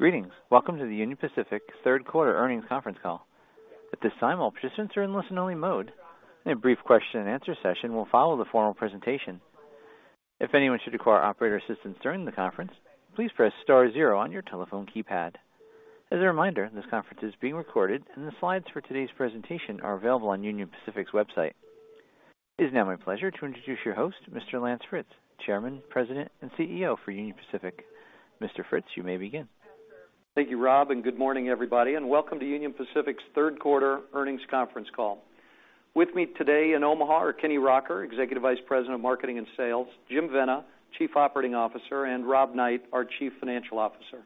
Greetings. Welcome to the Union Pacific third quarter earnings conference call. At this time, all participants are in listen-only mode. A brief question-and-answer session will follow the formal presentation. If anyone should require operator assistance during the conference, please press star zero on your telephone keypad. As a reminder, this conference is being recorded and the slides for today's presentation are available on Union Pacific's website. It is now my pleasure to introduce your host, Mr. Lance Fritz, Chairman, President, and CEO for Union Pacific. Mr. Fritz, you may begin. Thank you, Rob. Good morning, everybody. Welcome to Union Pacific's third quarter earnings conference call. With me today in Omaha are Kenny Rocker, Executive Vice President of Marketing and Sales, Jim Vena, Chief Operating Officer, and Rob Knight, our Chief Financial Officer.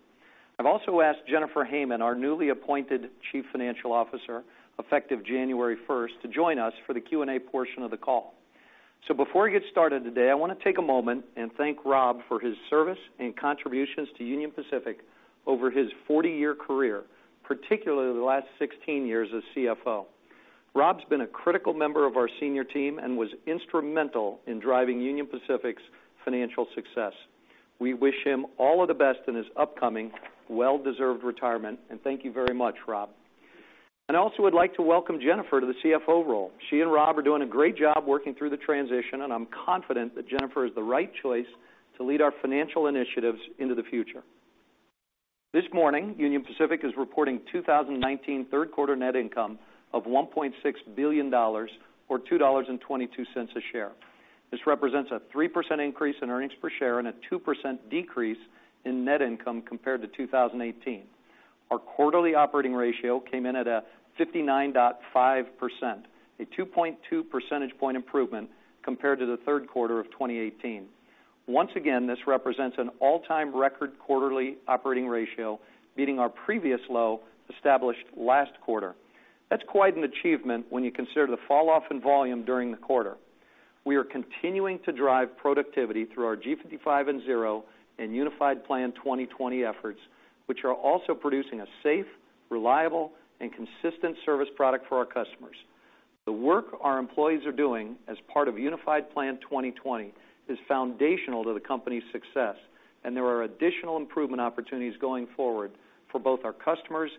I've also asked Jennifer Hamann, our newly appointed Chief Financial Officer effective January 1st, to join us for the Q&A portion of the call. Before we get started today, I want to take a moment and thank Rob for his service and contributions to Union Pacific over his 40-year career, particularly the last 16 years as CFO. Rob's been a critical member of our senior team and was instrumental in driving Union Pacific's financial success. We wish him all of the best in his upcoming well-deserved retirement. Thank you very much, Rob. I also would like to welcome Jennifer to the CFO role. She and Rob are doing a great job working through the transition, and I'm confident that Jennifer is the right choice to lead our financial initiatives into the future. This morning, Union Pacific is reporting 2019 third quarter net income of $1.6 billion, or $2.22 a share. This represents a 3% increase in earnings per share and a 2% decrease in net income compared to 2018. Our quarterly operating ratio came in at a 59.5%, a 2.2 percentage point improvement compared to the third quarter of 2018. Once again, this represents an all-time record quarterly operating ratio, beating our previous low established last quarter. That's quite an achievement when you consider the falloff in volume during the quarter. We are continuing to drive productivity through our G55 and Zero and Unified Plan 2020 efforts, which are also producing a safe, reliable, and consistent service product for our customers. The work our employees are doing as part of Unified Plan 2020 is foundational to the company's success. There are additional improvement opportunities going forward for both our customers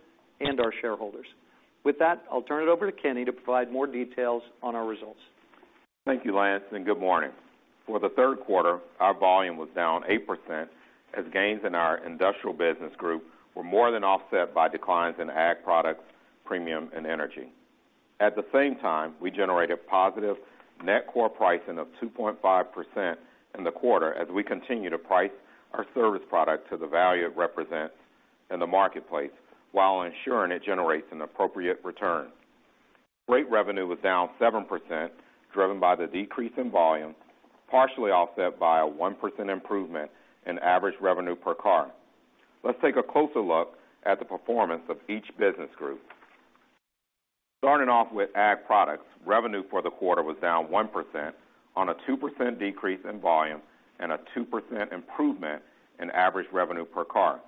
and our shareholders. With that, I'll turn it over to Kenny to provide more details on our results. Thank you, Lance, and good morning. For the third quarter, our volume was down 8% as gains in our Industrial business group were more than offset by declines in ag products, premium, and energy. At the same time, we generated positive net core pricing of 2.5% in the quarter as we continue to price our service product to the value it represents in the marketplace while ensuring it generates an appropriate return. Freight revenue was down 7%, driven by the decrease in volume, partially offset by a 1% improvement in average revenue per car. Let's take a closer look at the performance of each business group. Starting off with ag products, revenue for the quarter was down 1% on a 2% decrease in volume and a 2% improvement in average revenue per car.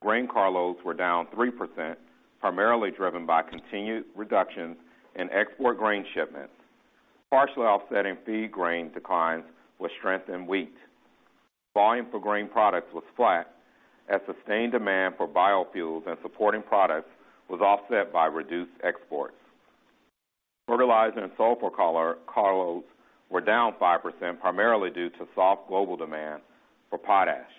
Grain car loads were down 3%, primarily driven by continued reductions in export grain shipments. Partially offsetting feed grain declines was strength in wheat. Volume for grain products was flat as sustained demand for biofuels and supporting products was offset by reduced exports. Fertilizer and sulfur car loads were down 5%, primarily due to soft global demand for potash.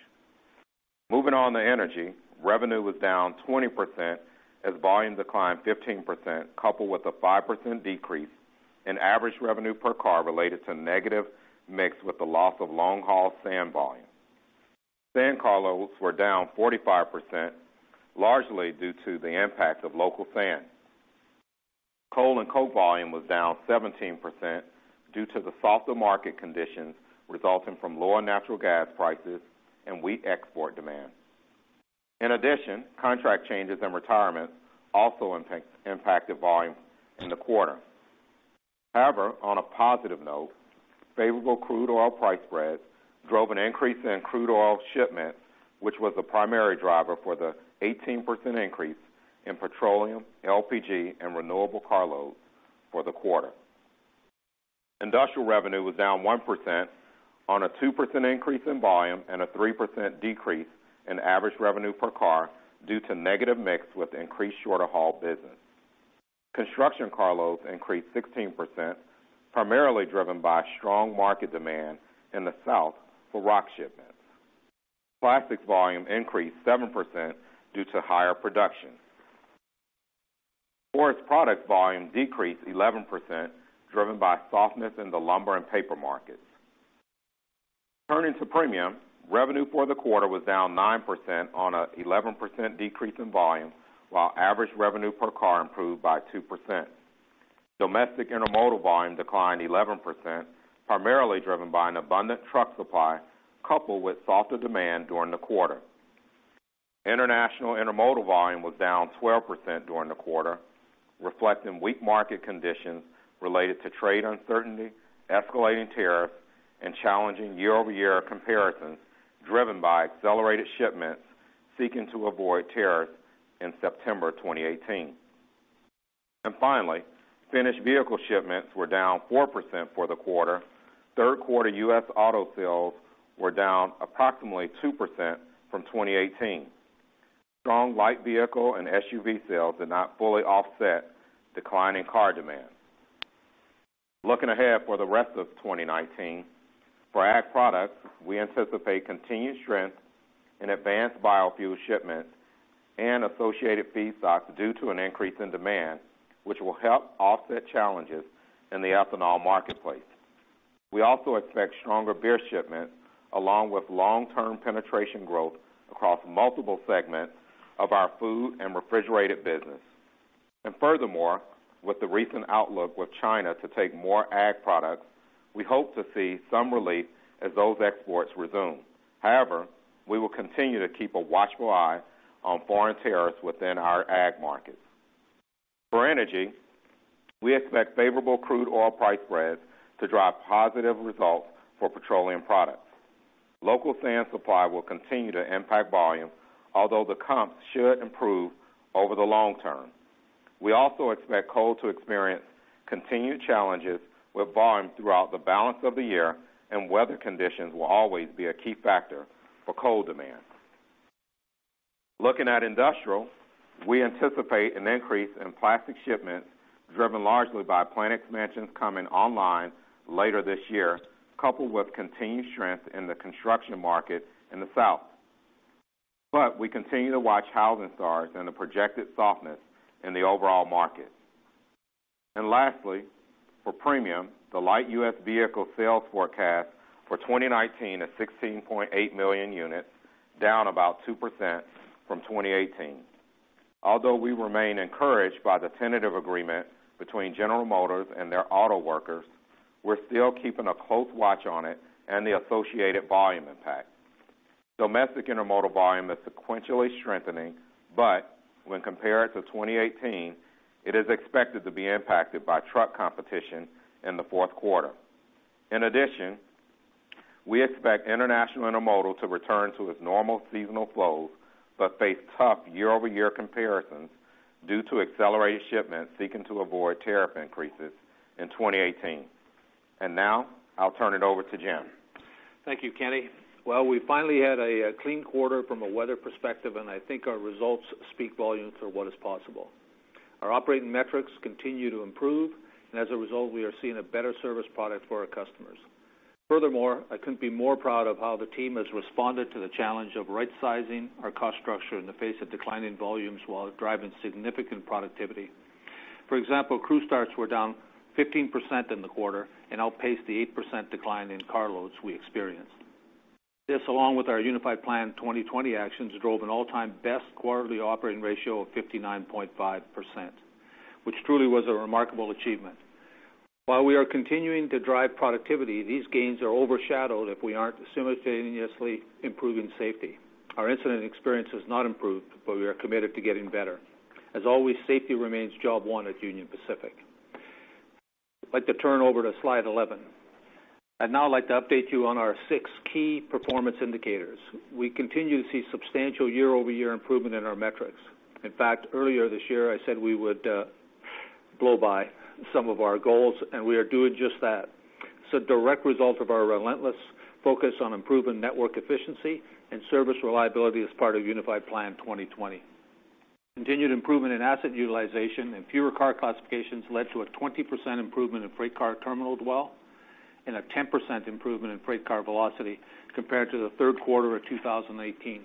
Moving on to energy, revenue was down 20% as volume declined 15%, coupled with a 5% decrease in average revenue per car related to negative mix with the loss of long-haul sand volume. Sand car loads were down 45%, largely due to the impact of local sand. Coal and coke volume was down 17% due to the softer market conditions resulting from lower natural gas prices and weak export demand. In addition, contract changes and retirements also impacted volume in the quarter. On a positive note, favorable crude oil price spreads drove an increase in crude oil shipments, which was the primary driver for the 18% increase in petroleum, LPG, and renewable car loads for the quarter. Industrial revenue was down 1% on a 2% increase in volume and a 3% decrease in average revenue per car due to negative mix with increased shorter-haul business. Construction car loads increased 16%, primarily driven by strong market demand in the South for rock shipments. Plastics volume increased 7% due to higher production. Forest products volume decreased 11%, driven by softness in the lumber and paper markets. Turning to premium, revenue for the quarter was down 9% on an 11% decrease in volume, while average revenue per car improved by 2%. Domestic intermodal volume declined 11%, primarily driven by an abundant truck supply coupled with softer demand during the quarter. International intermodal volume was down 12% during the quarter, reflecting weak market conditions related to trade uncertainty, escalating tariffs, and challenging year-over-year comparisons driven by accelerated shipments seeking to avoid tariffs in September 2018.Finally, finished vehicle shipments were down 4% for the quarter. Third quarter U.S. auto sales were down approximately 2% from 2018. Strong light vehicle and SUV sales did not fully offset declining car demand. Looking ahead for the rest of 2019, for Ag products, we anticipate continued strength in advanced biofuel shipments and associated feedstocks due to an increase in demand, which will help offset challenges in the ethanol marketplace. We also expect stronger beer shipments, along with long-term penetration growth across multiple segments of our food and refrigerated business. Furthermore, with the recent outlook with China to take more Ag products, we hope to see some relief as those exports resume. However, we will continue to keep a watchful eye on foreign tariffs within our ag markets. For energy, we expect favorable crude oil price spreads to drive positive results for petroleum products. Local sand supply will continue to impact volume, although the comps should improve over the long term. We also expect coal to experience continued challenges with volume throughout the balance of the year, and weather conditions will always be a key factor for coal demand. Looking at Industrial, we anticipate an increase in plastic shipments, driven largely by plant expansions coming online later this year, coupled with continued strength in the construction market in the south. We continue to watch housing starts and the projected softness in the overall market. Lastly, for Premium, the light U.S. vehicle sales forecast for 2019 is 16.8 million units, down about 2% from 2018. Although we remain encouraged by the tentative agreement between General Motors and their auto workers, we're still keeping a close watch on it and the associated volume impact. Domestic intermodal volume is sequentially strengthening, but when compared to 2018, it is expected to be impacted by truck competition in the fourth quarter. In addition, we expect international intermodal to return to its normal seasonal flows but face tough year-over-year comparisons due to accelerated shipments seeking to avoid tariff increases in 2018. Now, I'll turn it over to Jim. Thank you, Kenny. We finally had a clean quarter from a weather perspective, and I think our results speak volumes to what is possible. Our operating metrics continue to improve, and as a result, we are seeing a better service product for our customers. Furthermore, I couldn't be more proud of how the team has responded to the challenge of rightsizing our cost structure in the face of declining volumes while driving significant productivity. For example, crew starts were down 15% in the quarter and outpaced the 8% decline in car loads we experienced. This, along with our Unified Plan 2020 actions, drove an all-time best quarterly operating ratio of 59.5%, which truly was a remarkable achievement. While we are continuing to drive productivity, these gains are overshadowed if we aren't simultaneously improving safety. Our incident experience has not improved, but we are committed to getting better. As always, safety remains job one at Union Pacific. I'd like to turn over to slide 11. I'd now like to update you on our six key performance indicators. We continue to see substantial year-over-year improvement in our metrics. In fact, earlier this year, I said we would blow by some of our goals, and we are doing just that. It's a direct result of our relentless focus on improving network efficiency and service reliability as part of Unified Plan 2020. Continued improvement in asset utilization and fewer car classifications led to a 20% improvement in freight car terminal dwell and a 10% improvement in freight car velocity compared to the third quarter of 2018.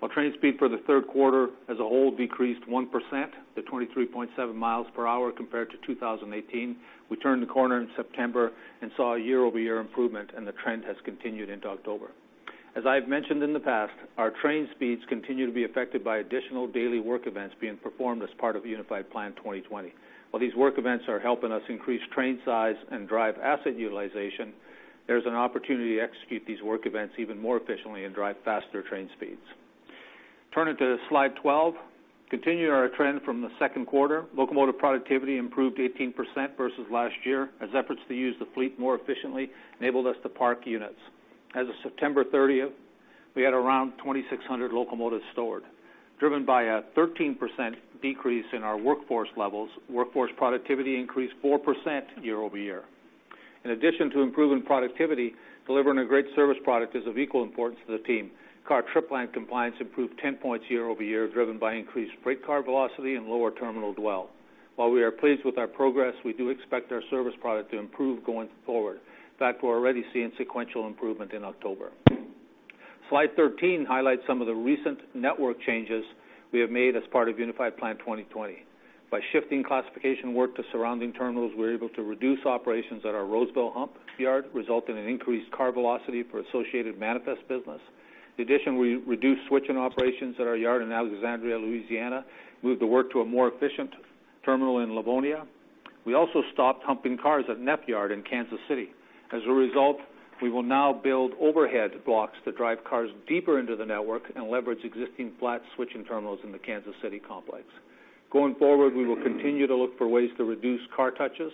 While train speed for the third quarter as a whole decreased 1% to 23.7 miles per hour compared to 2018, we turned the corner in September and saw a year-over-year improvement, and the trend has continued into October. As I have mentioned in the past, our train speeds continue to be affected by additional daily work events being performed as part of Unified Plan 2020. While these work events are helping us increase train size and drive asset utilization, there's an opportunity to execute these work events even more efficiently and drive faster train speeds. Turning to slide 12. Continuing our trend from the second quarter, locomotive productivity improved 18% versus last year as efforts to use the fleet more efficiently enabled us to park units. As of September 30th, we had around 2,600 locomotives stored. Driven by a 13% decrease in our workforce levels, workforce productivity increased 4% year-over-year. In addition to improving productivity, delivering a great service product is of equal importance to the team. Car Trip Line Compliance improved 10 points year-over-year, driven by increased freight car velocity and lower terminal dwell. While we are pleased with our progress, we do expect our service product to improve going forward. In fact, we're already seeing sequential improvement in October. Slide 13 highlights some of the recent network changes we have made as part of Unified Plan 2020. By shifting classification work to surrounding terminals, we were able to reduce operations at our Roseville hump yard, resulting in increased car velocity for associated manifest business. In addition, we reduced switching operations at our yard in Alexandria, Louisiana, moved the work to a more efficient terminal in Livonia. We also stopped humping cars at Neff Yard in Kansas City. As a result, we will now build overhead blocks to drive cars deeper into the network and leverage existing flat switching terminals in the Kansas City complex. Going forward, we will continue to look for ways to reduce car touches,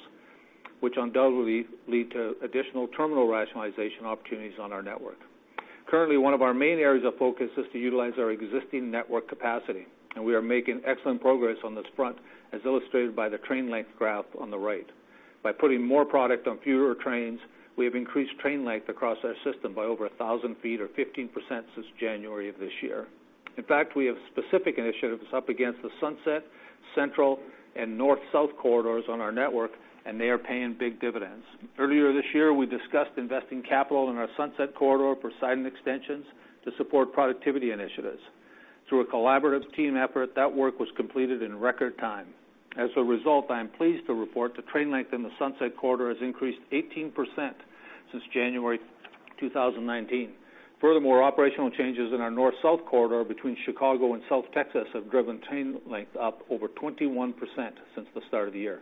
which undoubtedly lead to additional terminal rationalization opportunities on our network. Currently, one of our main areas of focus is to utilize our existing network capacity, and we are making excellent progress on this front, as illustrated by the train length graph on the right. By putting more product on fewer trains, we have increased train length across our system by over 1,000 feet or 15% since January of this year. In fact, we have specific initiatives up against the Sunset, Central, and North South corridors on our network, and they are paying big dividends. Earlier this year, we discussed investing capital in our Sunset corridor for siding extensions to support productivity initiatives. Through a collaborative team effort, that work was completed in record time. As a result, I am pleased to report the train length in the Sunset corridor has increased 18% since January 2019. Furthermore, operational changes in our North South corridor between Chicago and South Texas have driven train length up over 21% since the start of the year.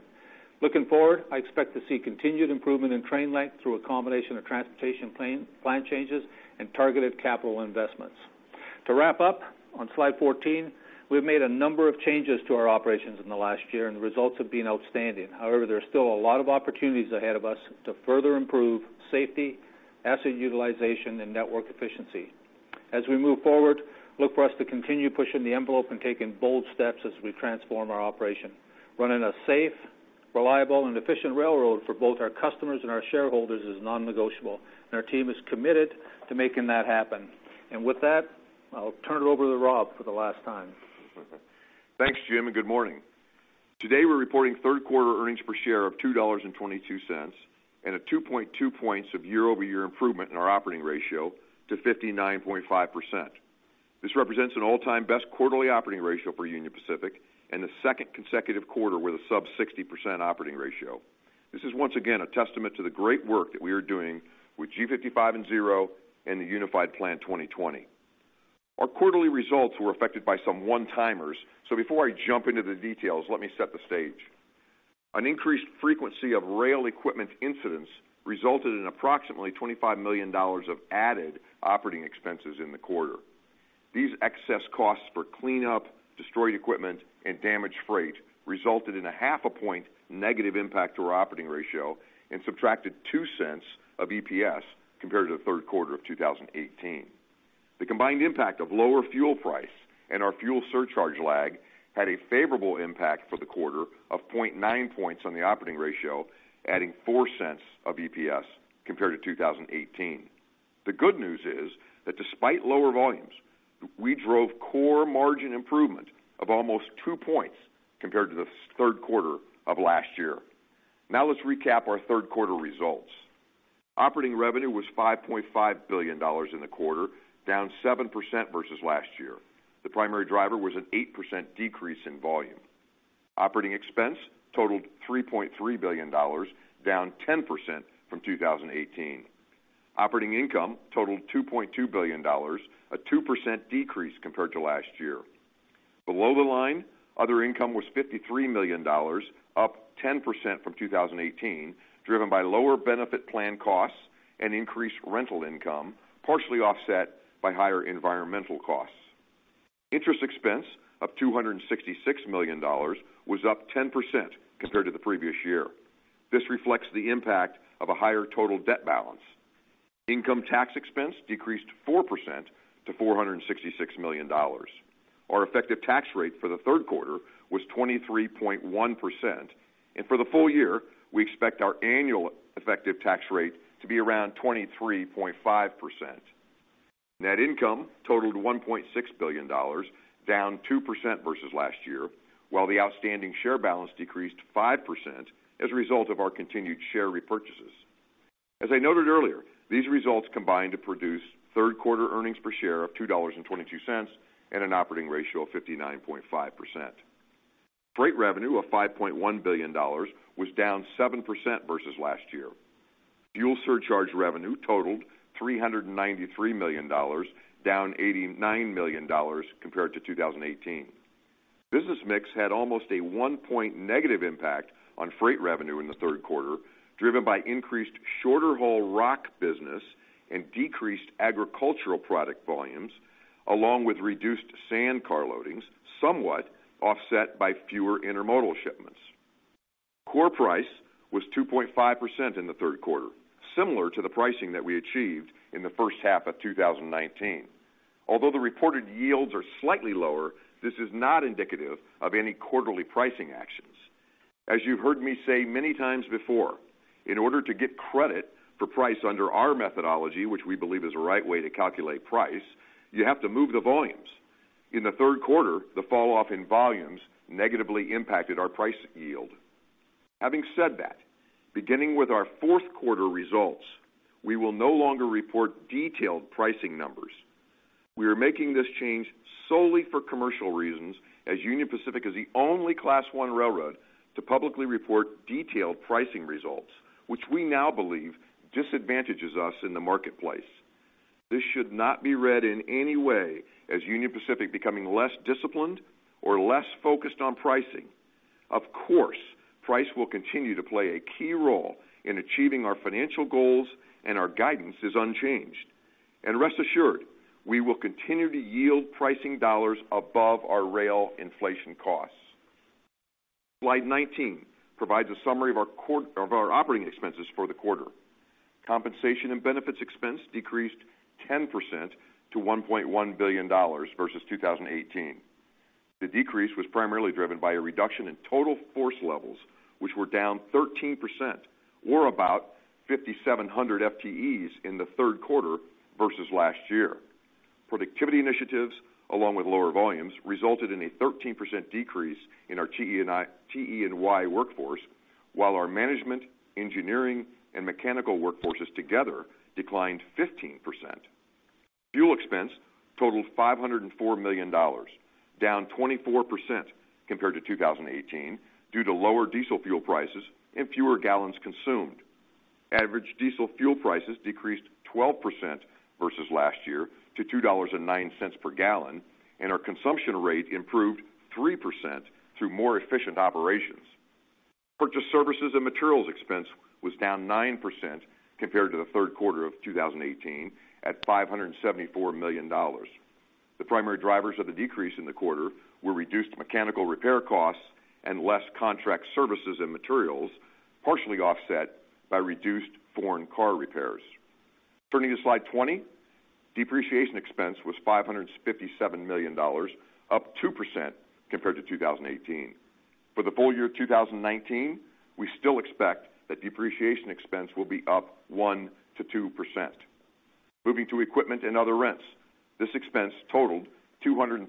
Looking forward, I expect to see continued improvement in train length through a combination of transportation plan changes and targeted capital investments. To wrap up, on slide 14, we have made a number of changes to our operations in the last year, and the results have been outstanding. However, there are still a lot of opportunities ahead of us to further improve safety, asset utilization, and network efficiency. As we move forward, look for us to continue pushing the envelope and taking bold steps as we transform our operation. Running a safe, reliable, and efficient railroad for both our customers and our shareholders is non-negotiable, and our team is committed to making that happen. With that, I will turn it over to Rob for the last time. Thanks, Jim. Good morning. Today we're reporting third quarter earnings per share of $2.22 and a 2.2 points of year-over-year improvement in our operating ratio to 59.5%. This represents an all-time best quarterly operating ratio for Union Pacific and the second consecutive quarter with a sub 60% operating ratio. This is once again a testament to the great work that we are doing with G55 and Zero and the Unified Plan 2020. Our quarterly results were affected by some one-timers. Before I jump into the details, let me set the stage. An increased frequency of rail equipment incidents resulted in approximately $25 million of added operating expenses in the quarter. These excess costs for cleanup, destroyed equipment, and damaged freight resulted in a half a point negative impact to our operating ratio and subtracted $0.02 of EPS compared to the third quarter of 2018. The combined impact of lower fuel price and our fuel surcharge lag had a favorable impact for the quarter of 0.9 points on the operating ratio, adding $0.04 of EPS compared to 2018. The good news is that despite lower volumes, we drove core margin improvement of almost 2 points compared to the third quarter of last year. Now let's recap our third quarter results. Operating revenue was $5.5 billion in the quarter, down 7% versus last year. Operating expense totaled $3.3 billion, down 10% from 2018. Operating income totaled $2.2 billion, a 2% decrease compared to last year. Below the line, other income was $53 million, up 10% from 2018, driven by lower benefit plan costs and increased rental income, partially offset by higher environmental costs. Interest expense of $266 million was up 10% compared to the previous year. This reflects the impact of a higher total debt balance. Income tax expense decreased 4% to $466 million. Our effective tax rate for the third quarter was 23.1%, and for the full year, we expect our annual effective tax rate to be around 23.5%. Net income totaled $1.6 billion, down 2% versus last year, while the outstanding share balance decreased 5% as a result of our continued share repurchases. As I noted earlier, these results combined to produce third-quarter earnings per share of $2.22 and an operating ratio of 59.5%. Freight revenue of $5.1 billion was down 7% versus last year. Fuel surcharge revenue totaled $393 million, down $89 million compared to 2018. Business mix had almost a 1 point negative impact on freight revenue in the third quarter, driven by increased shorter-haul rock business and decreased agricultural product volumes, along with reduced sand car loadings, somewhat offset by fewer intermodal shipments. Core price was 2.5% in the third quarter, similar to the pricing that we achieved in the first half of 2019. Although the reported yields are slightly lower, this is not indicative of any quarterly pricing actions. As you've heard me say many times before, in order to get credit for price under our methodology, which we believe is the right way to calculate price, you have to move the volumes. In the third quarter, the falloff in volumes negatively impacted our price yield. Having said that, beginning with our fourth quarter results, we will no longer report detailed pricing numbers. We are making this change solely for commercial reasons, as Union Pacific is the only Class I railroad to publicly report detailed pricing results, which we now believe disadvantages us in the marketplace. This should not be read in any way as Union Pacific becoming less disciplined or less focused on pricing. Of course, price will continue to play a key role in achieving our financial goals. Our guidance is unchanged. Rest assured, we will continue to yield pricing dollars above our rail inflation costs. Slide 19 provides a summary of our operating expenses for the quarter. Compensation and benefits expense decreased 10% to $1.1 billion versus 2018. The decrease was primarily driven by a reduction in total force levels, which were down 13%, or about 5,700 FTEs in the third quarter versus last year. Productivity initiatives, along with lower volumes, resulted in a 13% decrease in our TE&Y workforce, while our management, engineering, and mechanical workforces together declined 15%. Fuel expense totaled $504 million, down 24% compared to 2018 due to lower diesel fuel prices and fewer gallons consumed. Average diesel fuel prices decreased 12% versus last year to $2.09 per gallon, and our consumption rate improved 3% through more efficient operations. Purchase services and materials expense was down 9% compared to the third quarter of 2018 at $574 million. The primary drivers of the decrease in the quarter were reduced mechanical repair costs and less contract services and materials, partially offset by reduced foreign car repairs. Turning to Slide 20, depreciation expense was $557 million, up 2% compared to 2018. For the full year 2019, we still expect that depreciation expense will be up 1%-2%. Moving to equipment and other rents. This expense totaled $236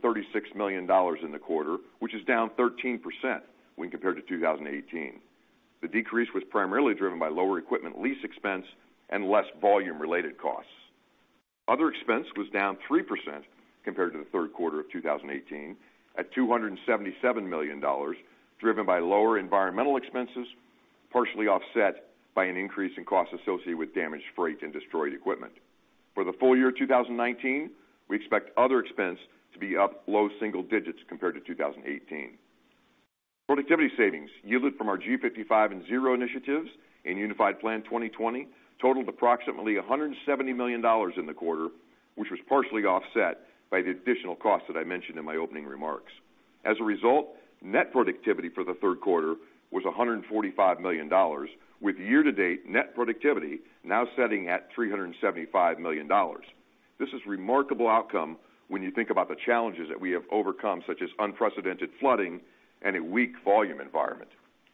million in the quarter, which is down 13% when compared to 2018. The decrease was primarily driven by lower equipment lease expense and less volume-related costs. Other expense was down 3% compared to the third quarter of 2018 at $277 million, driven by lower environmental expenses, partially offset by an increase in costs associated with damaged freight and destroyed equipment. For the full year 2019, we expect other expense to be up low single digits compared to 2018. Productivity savings yielded from our G55 and Zero initiatives in Unified Plan 2020 totaled approximately $170 million in the quarter, which was partially offset by the additional cost that I mentioned in my opening remarks. As a result, net productivity for the third quarter was $145 million, with year-to-date net productivity now sitting at $375 million. This is a remarkable outcome when you think about the challenges that we have overcome, such as unprecedented flooding and a weak volume environment.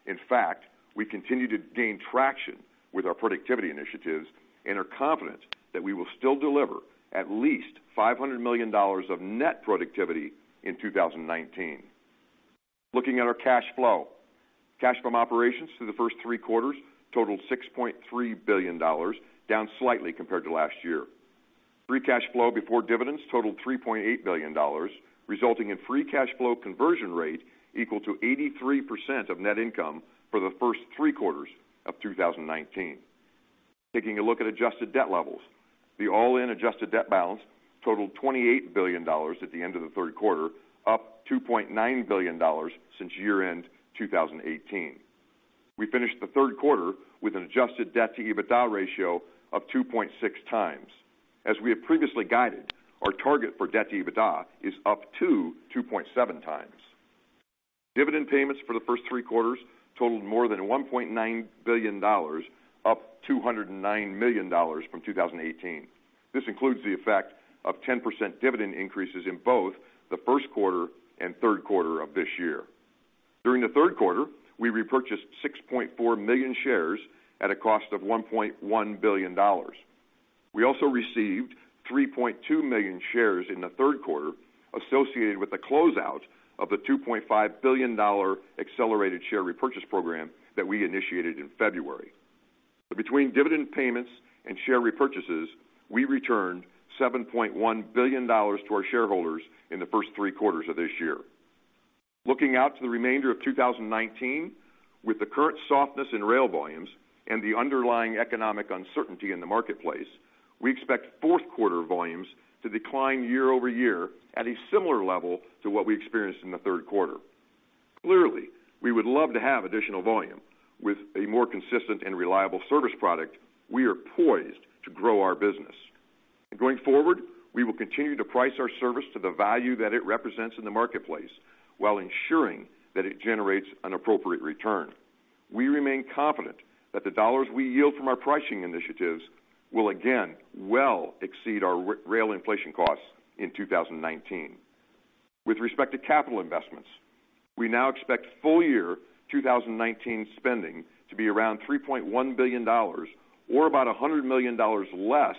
In fact, we continue to gain traction with our productivity initiatives and are confident that we will still deliver at least $500 million of net productivity in 2019. Looking at our cash flow. Cash from operations through the first three quarters totaled $6.3 billion, down slightly compared to last year. Free cash flow before dividends totaled $3.8 billion, resulting in free cash flow conversion rate equal to 83% of net income for the first three quarters of 2019. Taking a look at adjusted debt levels. The all-in adjusted debt balance totaled $28 billion at the end of the third quarter, up $2.9 billion since year-end 2018. We finished the third quarter with an adjusted debt-to-EBITDA ratio of 2.6 times. As we have previously guided, our target for debt-to-EBITDA is up to 2.7 times. Dividend payments for the first three quarters totaled more than $1.9 billion, up $209 million from 2018. This includes the effect of 10% dividend increases in both the first quarter and third quarter of this year. During the third quarter, we repurchased 6.4 million shares at a cost of $1.1 billion. We also received 3.2 million shares in the third quarter associated with the closeout of the $2.5 billion accelerated share repurchase program that we initiated in February. Between dividend payments and share repurchases, we returned $7.1 billion to our shareholders in the first three quarters of this year. Looking out to the remainder of 2019, with the current softness in rail volumes and the underlying economic uncertainty in the marketplace, we expect fourth quarter volumes to decline year-over-year at a similar level to what we experienced in the third quarter. Clearly, we would love to have additional volume. With a more consistent and reliable service product, we are poised to grow our business. Going forward, we will continue to price our service to the value that it represents in the marketplace while ensuring that it generates an appropriate return. We remain confident that the dollars we yield from our pricing initiatives will again well exceed our rail inflation costs in 2019. With respect to capital investments, we now expect full year 2019 spending to be around $3.1 billion or about $100 million less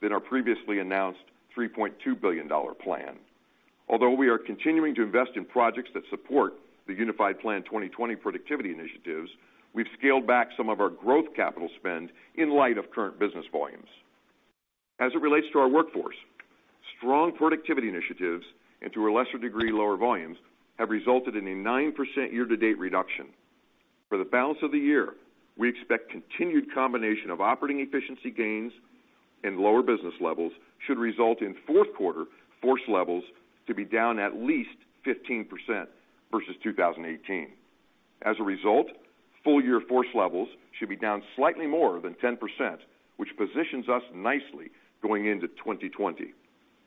than our previously announced $3.2 billion plan. Although we are continuing to invest in projects that support the Unified Plan 2020 productivity initiatives, we've scaled back some of our growth capital spend in light of current business volumes. As it relates to our workforce, strong productivity initiatives, and to a lesser degree, lower volumes, have resulted in a 9% year-to-date reduction. For the balance of the year, we expect continued combination of operating efficiency gains and lower business levels should result in fourth quarter force levels to be down at least 15% versus 2018. As a result, full year force levels should be down slightly more than 10%, which positions us nicely going into 2020.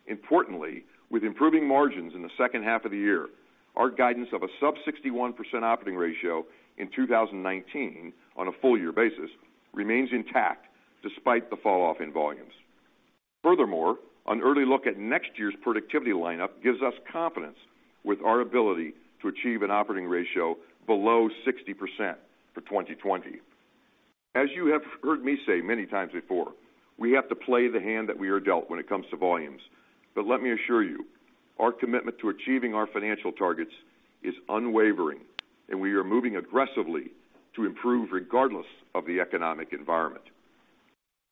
Importantly, with improving margins in the second half of the year, our guidance of a sub 61% operating ratio in 2019 on a full year basis remains intact despite the falloff in volumes. Furthermore, an early look at next year's productivity lineup gives us confidence with our ability to achieve an operating ratio below 60% for 2020. As you have heard me say many times before, we have to play the hand that we are dealt when it comes to volumes. Let me assure you, our commitment to achieving our financial targets is unwavering, and we are moving aggressively to improve regardless of the economic environment.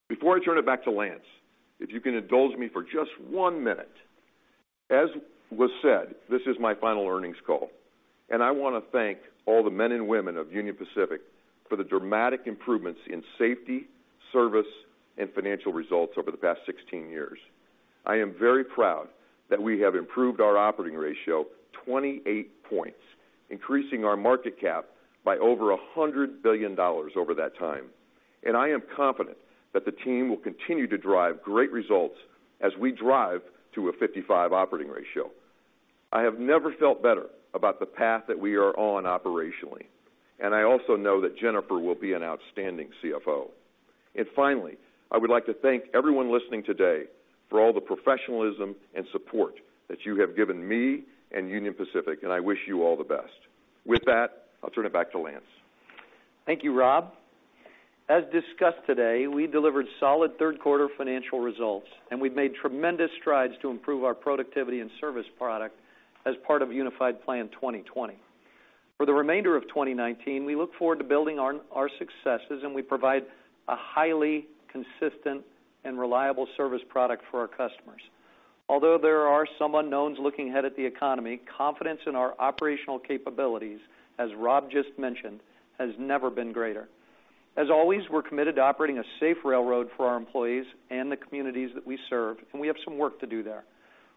Before I turn it back to Lance, if you can indulge me for just one minute. As was said, this is my final earnings call, and I want to thank all the men and women of Union Pacific for the dramatic improvements in safety, service, and financial results over the past 16 years. I am very proud that we have improved our operating ratio 28 points, increasing our market cap by over $100 billion over that time, and I am confident that the team will continue to drive great results as we drive to a 55% operating ratio. I have never felt better about the path that we are on operationally, and I also know that Jennifer will be an outstanding CFO. Finally, I would like to thank everyone listening today for all the professionalism and support that you have given me and Union Pacific, and I wish you all the best. With that, I'll turn it back to Lance. Thank you, Rob. As discussed today, we delivered solid third quarter financial results. We've made tremendous strides to improve our productivity and service product as part of Unified Plan 2020. For the remainder of 2019, we look forward to building on our successes. We provide a highly consistent and reliable service product for our customers. Although there are some unknowns looking ahead at the economy, confidence in our operational capabilities, as Rob just mentioned, has never been greater. As always, we're committed to operating a safe railroad for our employees and the communities that we serve. We have some work to do there.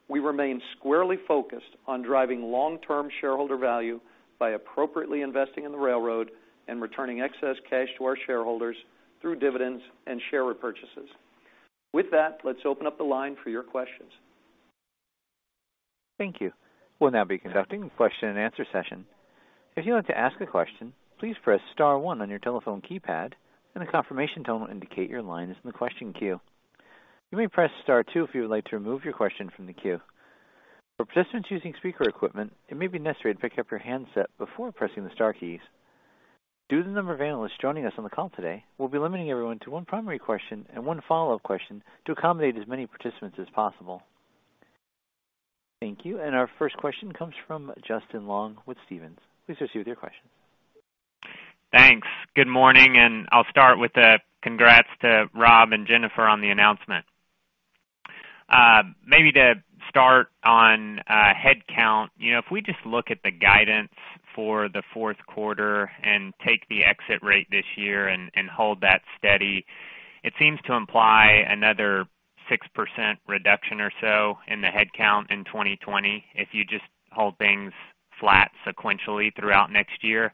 We remain squarely focused on driving long-term shareholder value by appropriately investing in the railroad and returning excess cash to our shareholders through dividends and share repurchases. With that, let's open up the line for your questions. Thank you. We'll now be conducting a question and answer session. If you want to ask a question, please press *1 on your telephone keypad and a confirmation tone will indicate your line is in the question queue. You may press *2 if you would like to remove your question from the queue. For participants using speaker equipment, it may be necessary to pick up your handset before pressing the star keys. Due to the number of analysts joining us on the call today, we'll be limiting everyone to one primary question and one follow-up question to accommodate as many participants as possible. Thank you. Our first question comes from Justin Long with Stephens. Please proceed with your question. Thanks. Good morning, and I'll start with a congrats to Rob and Jennifer on the announcement. Maybe to start on headcount, if we just look at the guidance for the fourth quarter and take the exit rate this year and hold that steady, it seems to imply another 6% reduction or so in the headcount in 2020 if you just hold things flat sequentially throughout next year.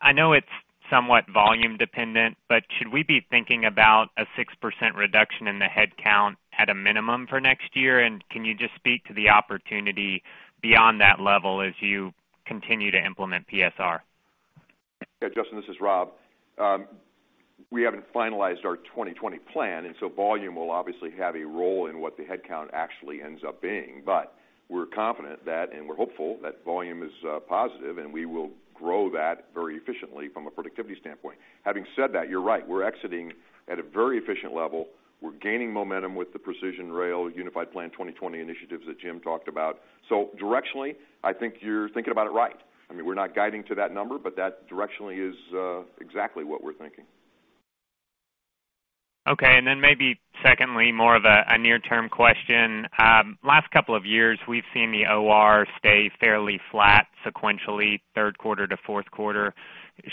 I know it's somewhat volume dependent, but should we be thinking about a 6% reduction in the headcount at a minimum for next year? Can you just speak to the opportunity beyond that level as you continue to implement PSR? Yeah, Justin, this is Rob. We haven't finalized our 2020 plan, volume will obviously have a role in what the headcount actually ends up being. We're confident that, and we're hopeful that volume is positive, and we will grow that very efficiently from a productivity standpoint. Having said that, you're right, we're exiting at a very efficient level. We're gaining momentum with the Precision Rail Unified Plan 2020 initiatives that Jim talked about. Directionally, I think you're thinking about it right. I mean, we're not guiding to that number, but that directionally is exactly what we're thinking. Maybe secondly, more of a near-term question. Last couple of years, we've seen the OR stay fairly flat sequentially, third quarter to fourth quarter.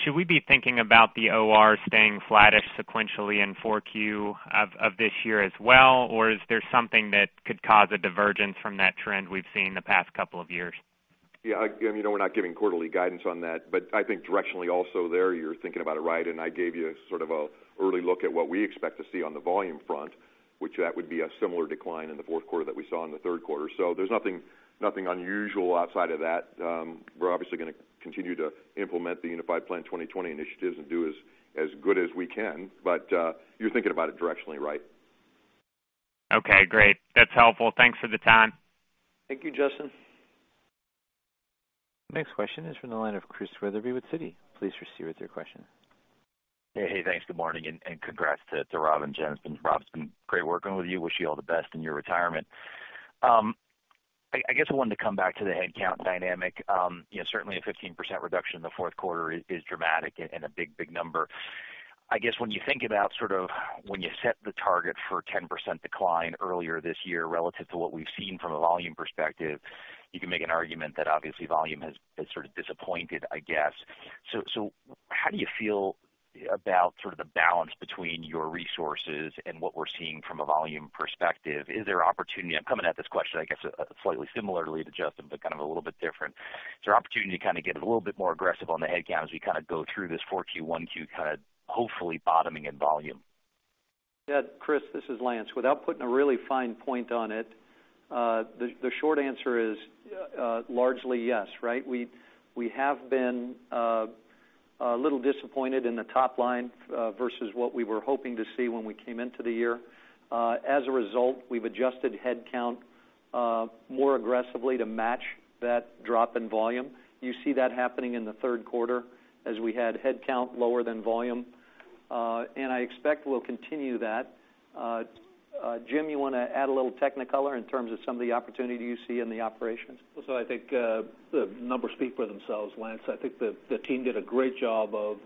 Should we be thinking about the OR staying flattish sequentially in 4Q of this year as well, or is there something that could cause a divergence from that trend we've seen the past couple of years? Yeah, again, we're not giving quarterly guidance on that, but I think directionally also there you're thinking about it right, and I gave you sort of an early look at what we expect to see on the volume front, which that would be a similar decline in the fourth quarter that we saw in the third quarter. There's nothing unusual outside of that. We're obviously going to continue to implement the Unified Plan 2020 initiatives and do as good as we can. You're thinking about it directionally right. Okay, great. That's helpful. Thanks for the time. Thank you, Justin. Next question is from the line of Chris Wetherbee with Citi. Please proceed with your question. Hey. Thanks. Good morning, and congrats to Rob and Jennifer. Rob, it's been great working with you. Wish you all the best in your retirement. I guess I wanted to come back to the headcount dynamic. Certainly a 15% reduction in the fourth quarter is dramatic and a big number. I guess when you think about sort of when you set the target for a 10% decline earlier this year relative to what we've seen from a volume perspective, you can make an argument that obviously volume has sort of disappointed, I guess. How do you feel about the balance between your resources and what we're seeing from a volume perspective? Is there opportunity? I'm coming at this question, I guess, slightly similarly to Justin, but a little bit different. Is there opportunity to get a little bit more aggressive on the headcount as we go through this 4Q, 1Q, hopefully bottoming in volume? Yeah, Chris, this is Lance. Without putting a really fine point on it, the short answer is largely yes. We have been a little disappointed in the top line versus what we were hoping to see when we came into the year. As a result, we've adjusted headcount more aggressively to match that drop in volume. You see that happening in the third quarter as we had headcount lower than volume. I expect we'll continue that. Jim, you want to add a little technicolor in terms of some of the opportunity you see in the operations? I think the numbers speak for themselves, Lance. I think the team did a great job of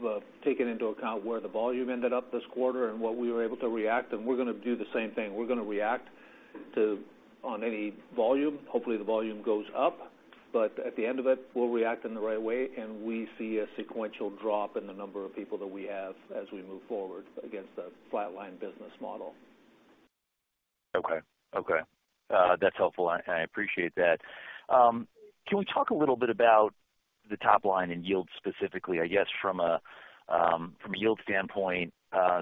taking into account where the volume ended up this quarter and what we were able to react. We're going to do the same thing. We're going to react on any volume. Hopefully, the volume goes up. At the end of it, we'll react in the right way, and we see a sequential drop in the number of people that we have as we move forward against a flatline business model. Okay. That's helpful, and I appreciate that. Can we talk a little bit about the top line and yield specifically? I guess from a yield standpoint,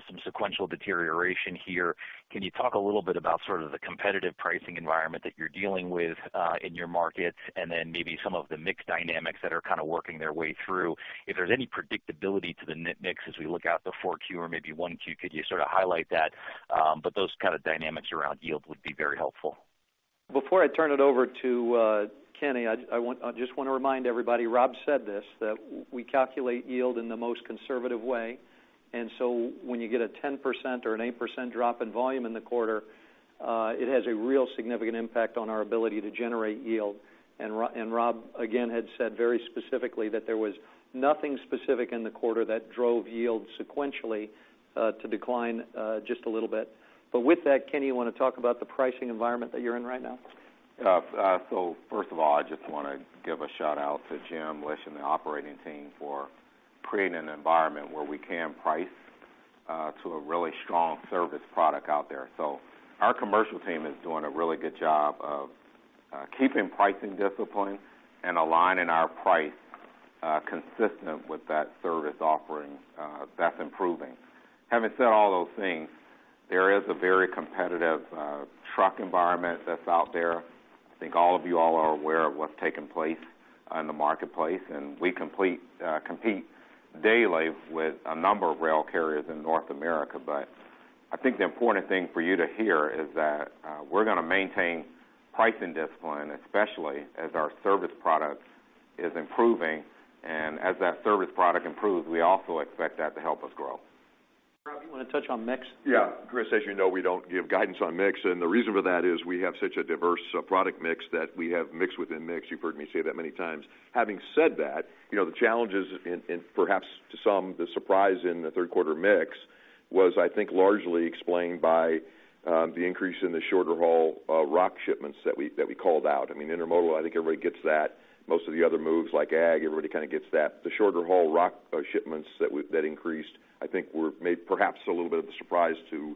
some sequential deterioration here. Can you talk a little bit about the competitive pricing environment that you're dealing with in your markets, and then maybe some of the mix dynamics that are working their way through? If there's any predictability to the mix as we look out to 4Q or maybe 1Q, could you highlight that? Those kind of dynamics around yield would be very helpful. Before I turn it over to Kenny, I just want to remind everybody, Rob said this, that we calculate yield in the most conservative way. When you get a 10% or an 8% drop in volume in the quarter, it has a real significant impact on our ability to generate yield. Rob, again, had said very specifically that there was nothing specific in the quarter that drove yield sequentially to decline just a little bit. With that, Kenny, you want to talk about the pricing environment that you're in right now? First of all, I just want to give a shout-out to Jim Vena and the operating team for creating an environment where we can price to a really strong service product out there. Our commercial team is doing a really good job of keeping pricing discipline and aligning our price consistent with that service offering that's improving. Having said all those things, there is a very competitive truck environment that's out there. I think all of you all are aware of what's taken place in the marketplace, and we compete daily with a number of rail carriers in North America. I think the important thing for you to hear is that we're going to maintain pricing discipline, especially as our service product is improving. As that service product improves, we also expect that to help us grow. Rob, you want to touch on mix? Chris, as you know, we don't give guidance on mix, and the reason for that is we have such a diverse product mix that we have mix within mix. You've heard me say that many times. Having said that, the challenges and perhaps to some, the surprise in the third quarter mix was, I think, largely explained by the increase in the shorter haul rock shipments that we called out. Intermodal, I think everybody gets that. Most of the other moves like ag, everybody kind of gets that. The shorter haul rock shipments that increased, I think, were perhaps a little bit of a surprise to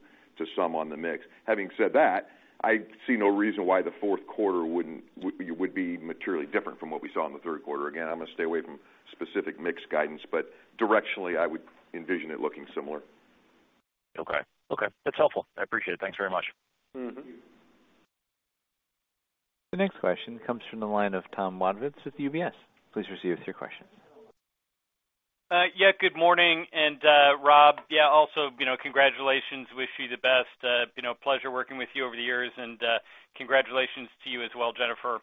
some on the mix. Having said that, I see no reason why the fourth quarter would be materially different from what we saw in the third quarter. Again, I'm going to stay away from specific mix guidance, but directionally, I would envision it looking similar. Okay. That's helpful. I appreciate it. Thanks very much. Thank you. The next question comes from the line of Tom Wadewitz with UBS. Please proceed with your question. Yeah, good morning. Rob, yeah, also, congratulations. Wish you the best. Pleasure working with you over the years, and congratulations to you as well, Jennifer.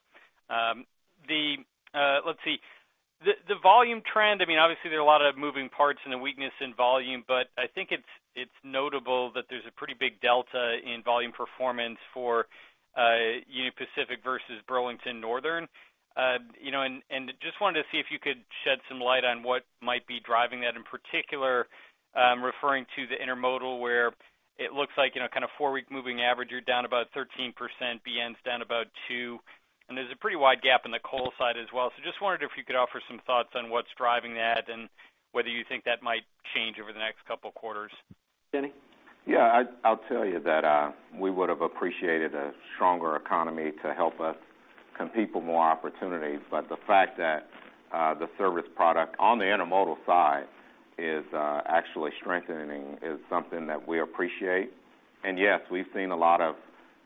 Let's see. The volume trend, obviously, there are a lot of moving parts and a weakness in volume, but I think it's notable that there's a pretty big delta in volume performance for Union Pacific versus BNSF Railway. Just wanted to see if you could shed some light on what might be driving that. In particular, referring to the intermodal, where it looks like, kind of four-week moving average, you're down about 13%, BN's down about 2%, and there's a pretty wide gap in the coal side as well. Just wondered if you could offer some thoughts on what's driving that and whether you think that might change over the next couple of quarters. Kenny? Yeah, I'll tell you that we would have appreciated a stronger economy to help us compete for more opportunities. The fact that the service product on the intermodal side is actually strengthening is something that we appreciate. Yes, we've seen a lot of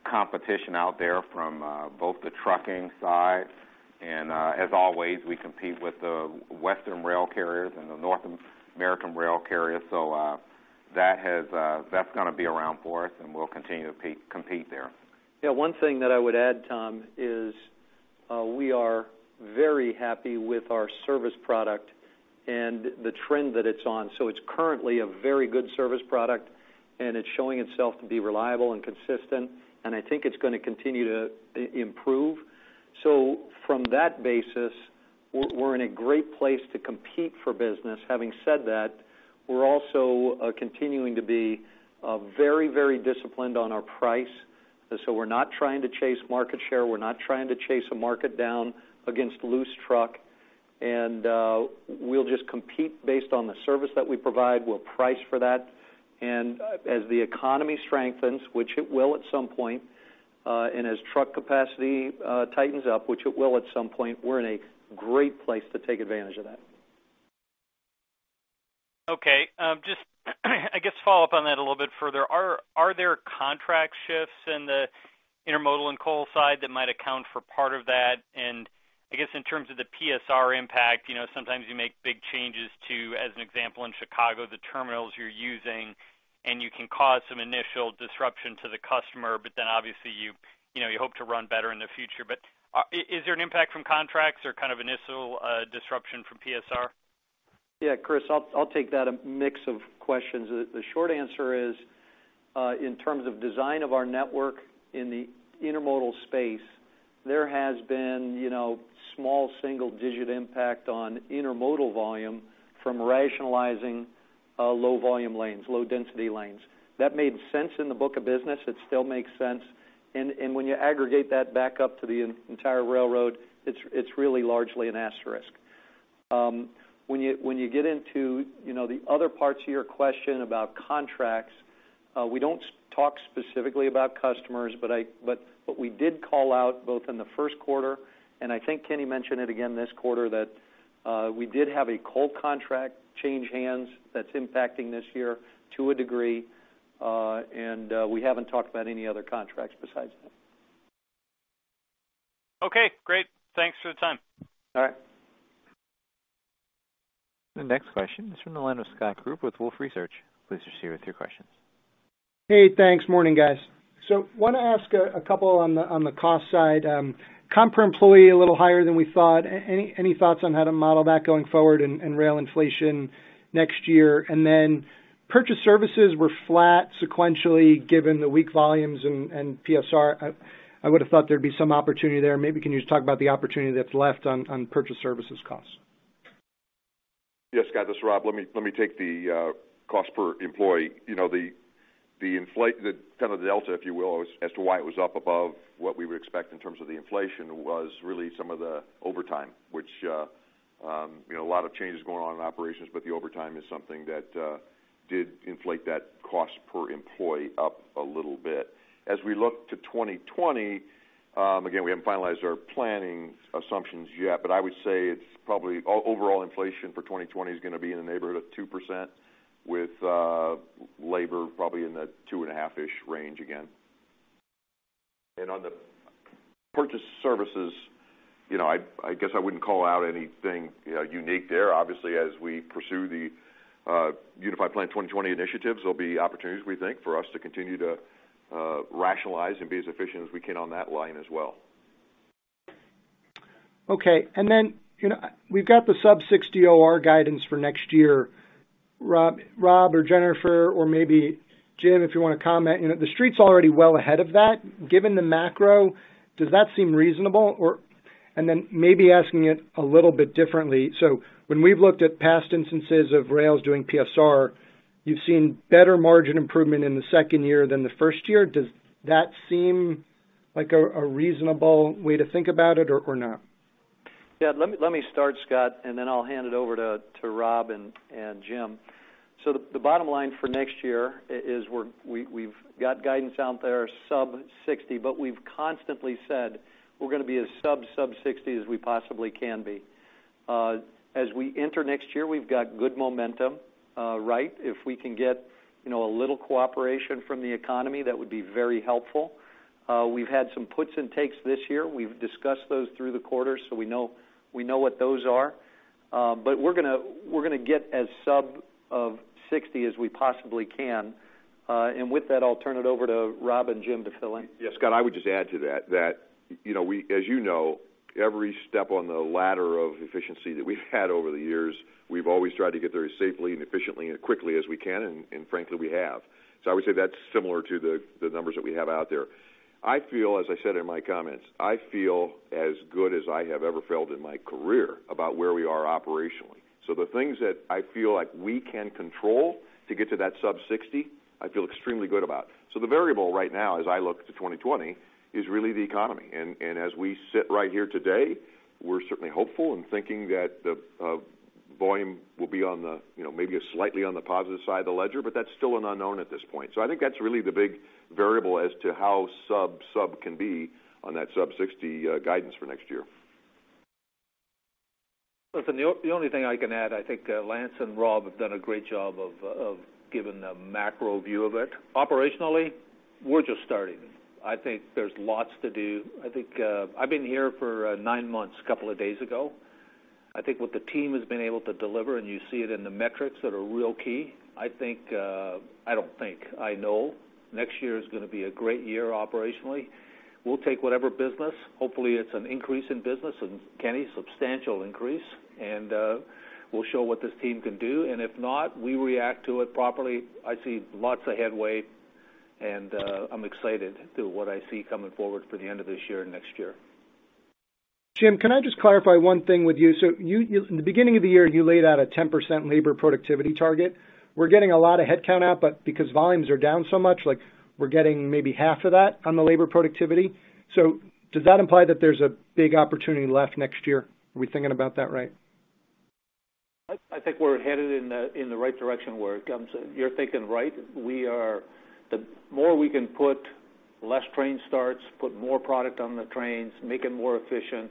competition out there from both the trucking side, and as always, we compete with the Western rail carriers and the North American rail carriers. That's going to be around for us, and we'll continue to compete there. One thing that I would add, Tom, is we are very happy with our service product and the trend that it's on. It's currently a very good service product, and it's showing itself to be reliable and consistent, and I think it's going to continue to improve. From that basis, we're in a great place to compete for business. Having said that, we're also continuing to be very disciplined on our price. We're not trying to chase market share. We're not trying to chase a market down against loose truck, and we'll just compete based on the service that we provide. We'll price for that. As the economy strengthens, which it will at some point, and as truck capacity tightens up, which it will at some point, we're in a great place to take advantage of that. Okay. Just I guess, follow up on that a little bit further. Are there contract shifts in the intermodal and coal side that might account for part of that? I guess, in terms of the PSR impact, sometimes you make big changes to, as an example, in Chicago, the terminals you're using, and you can cause some initial disruption to the customer, but then obviously you hope to run better in the future. Is there an impact from contracts or initial disruption from PSR? Yeah, Chris, I'll take that mix of questions. The short answer is, in terms of design of our network in the intermodal space, there has been small single-digit impact on intermodal volume from rationalizing low volume lanes, low density lanes. That made sense in the book of business. It still makes sense. When you aggregate that back up to the entire railroad, it's really largely an asterisk. When you get into the other parts of your question about contracts, we don't talk specifically about customers, but we did call out, both in the first quarter, and I think Kenny mentioned it again this quarter, that we did have a coal contract change hands that's impacting this year to a degree. We haven't talked about any other contracts besides that. Okay, great. Thanks for the time. All right. The next question is from the line of Scott Group with Wolfe Research. Please proceed with your questions. Hey, thanks. Morning, guys. Want to ask a couple on the cost side. Comp per employee, a little higher than we thought. Any thoughts on how to model that going forward and rail inflation next year? Purchased services were flat sequentially, given the weak volumes and PSR, I would've thought there'd be some opportunity there. Maybe can you just talk about the opportunity that's left on purchased services costs? Yes, Scott, this is Rob. Let me take the cost per employee. The delta, if you will, as to why it was up above what we would expect in terms of the inflation was really some of the overtime, which a lot of changes going on in operations, but the overtime is something that did inflate that cost per employee up a little bit. As we look to 2020, again, we haven't finalized our planning assumptions yet, but I would say probably overall inflation for 2020 is going to be in the neighborhood of 2%, with labor probably in the two and a half-ish range again. On the purchased services, I guess I wouldn't call out anything unique there. Obviously, as we pursue the Unified Plan 2020 initiatives, there'll be opportunities, we think, for us to continue to rationalize and be as efficient as we can on that line as well. Okay. We've got the sub 60 OR guidance for next year. Rob or Jennifer, or maybe Jim, if you want to comment, the street's already well ahead of that. Given the macro, does that seem reasonable? Maybe asking it a little bit differently, when we've looked at past instances of rails doing PSR, you've seen better margin improvement in the second year than the first year. Does that seem like a reasonable way to think about it or not? Yeah, let me start, Scott, and then I'll hand it over to Rob and Jim. The bottom line for next year is we've got guidance out there, sub 60, but we've constantly said we're going to be as sub 60 as we possibly can be. As we enter next year, we've got good momentum. If we can get a little cooperation from the economy, that would be very helpful. We've had some puts and takes this year. We've discussed those through the quarter, we know what those are. We're going to get as sub of 60 as we possibly can. With that, I'll turn it over to Rob and Jim to fill in. Yes, Scott, I would just add to that, as you know, every step on the ladder of efficiency that we've had over the years, we've always tried to get there as safely and efficiently and quickly as we can, and frankly, we have. I would say that's similar to the numbers that we have out there. As I said in my comments, I feel as good as I have ever felt in my career about where we are operationally. The things that I feel like we can control to get to that sub 60, I feel extremely good about. The variable right now as I look to 2020 is really the economy. As we sit right here today, we're certainly hopeful and thinking that the volume will be maybe slightly on the positive side of the ledger, but that's still an unknown at this point. I think that's really the big variable as to how sub can be on that sub 60 guidance for next year. Listen, the only thing I can add, I think Lance and Rob have done a great job of giving the macro view of it. Operationally, we're just starting. I think there's lots to do. I've been here for nine months, a couple of days ago. I think what the team has been able to deliver, and you see it in the metrics that are real key, I think, I don't think, I know next year is going to be a great year operationally. We'll take whatever business. Hopefully, it's an increase in business, and Kenny, substantial increase, and we'll show what this team can do, and if not, we react to it properly. I see lots of headway, and I'm excited to what I see coming forward for the end of this year and next year. Jim, can I just clarify one thing with you? In the beginning of the year, you laid out a 10% labor productivity target. We're getting a lot of headcount out, but because volumes are down so much, we're getting maybe half of that on the labor productivity. Does that imply that there's a big opportunity left next year? Are we thinking about that right? I think we're headed in the right direction. You're thinking right. The more we can put less train starts, put more product on the trains, make it more efficient,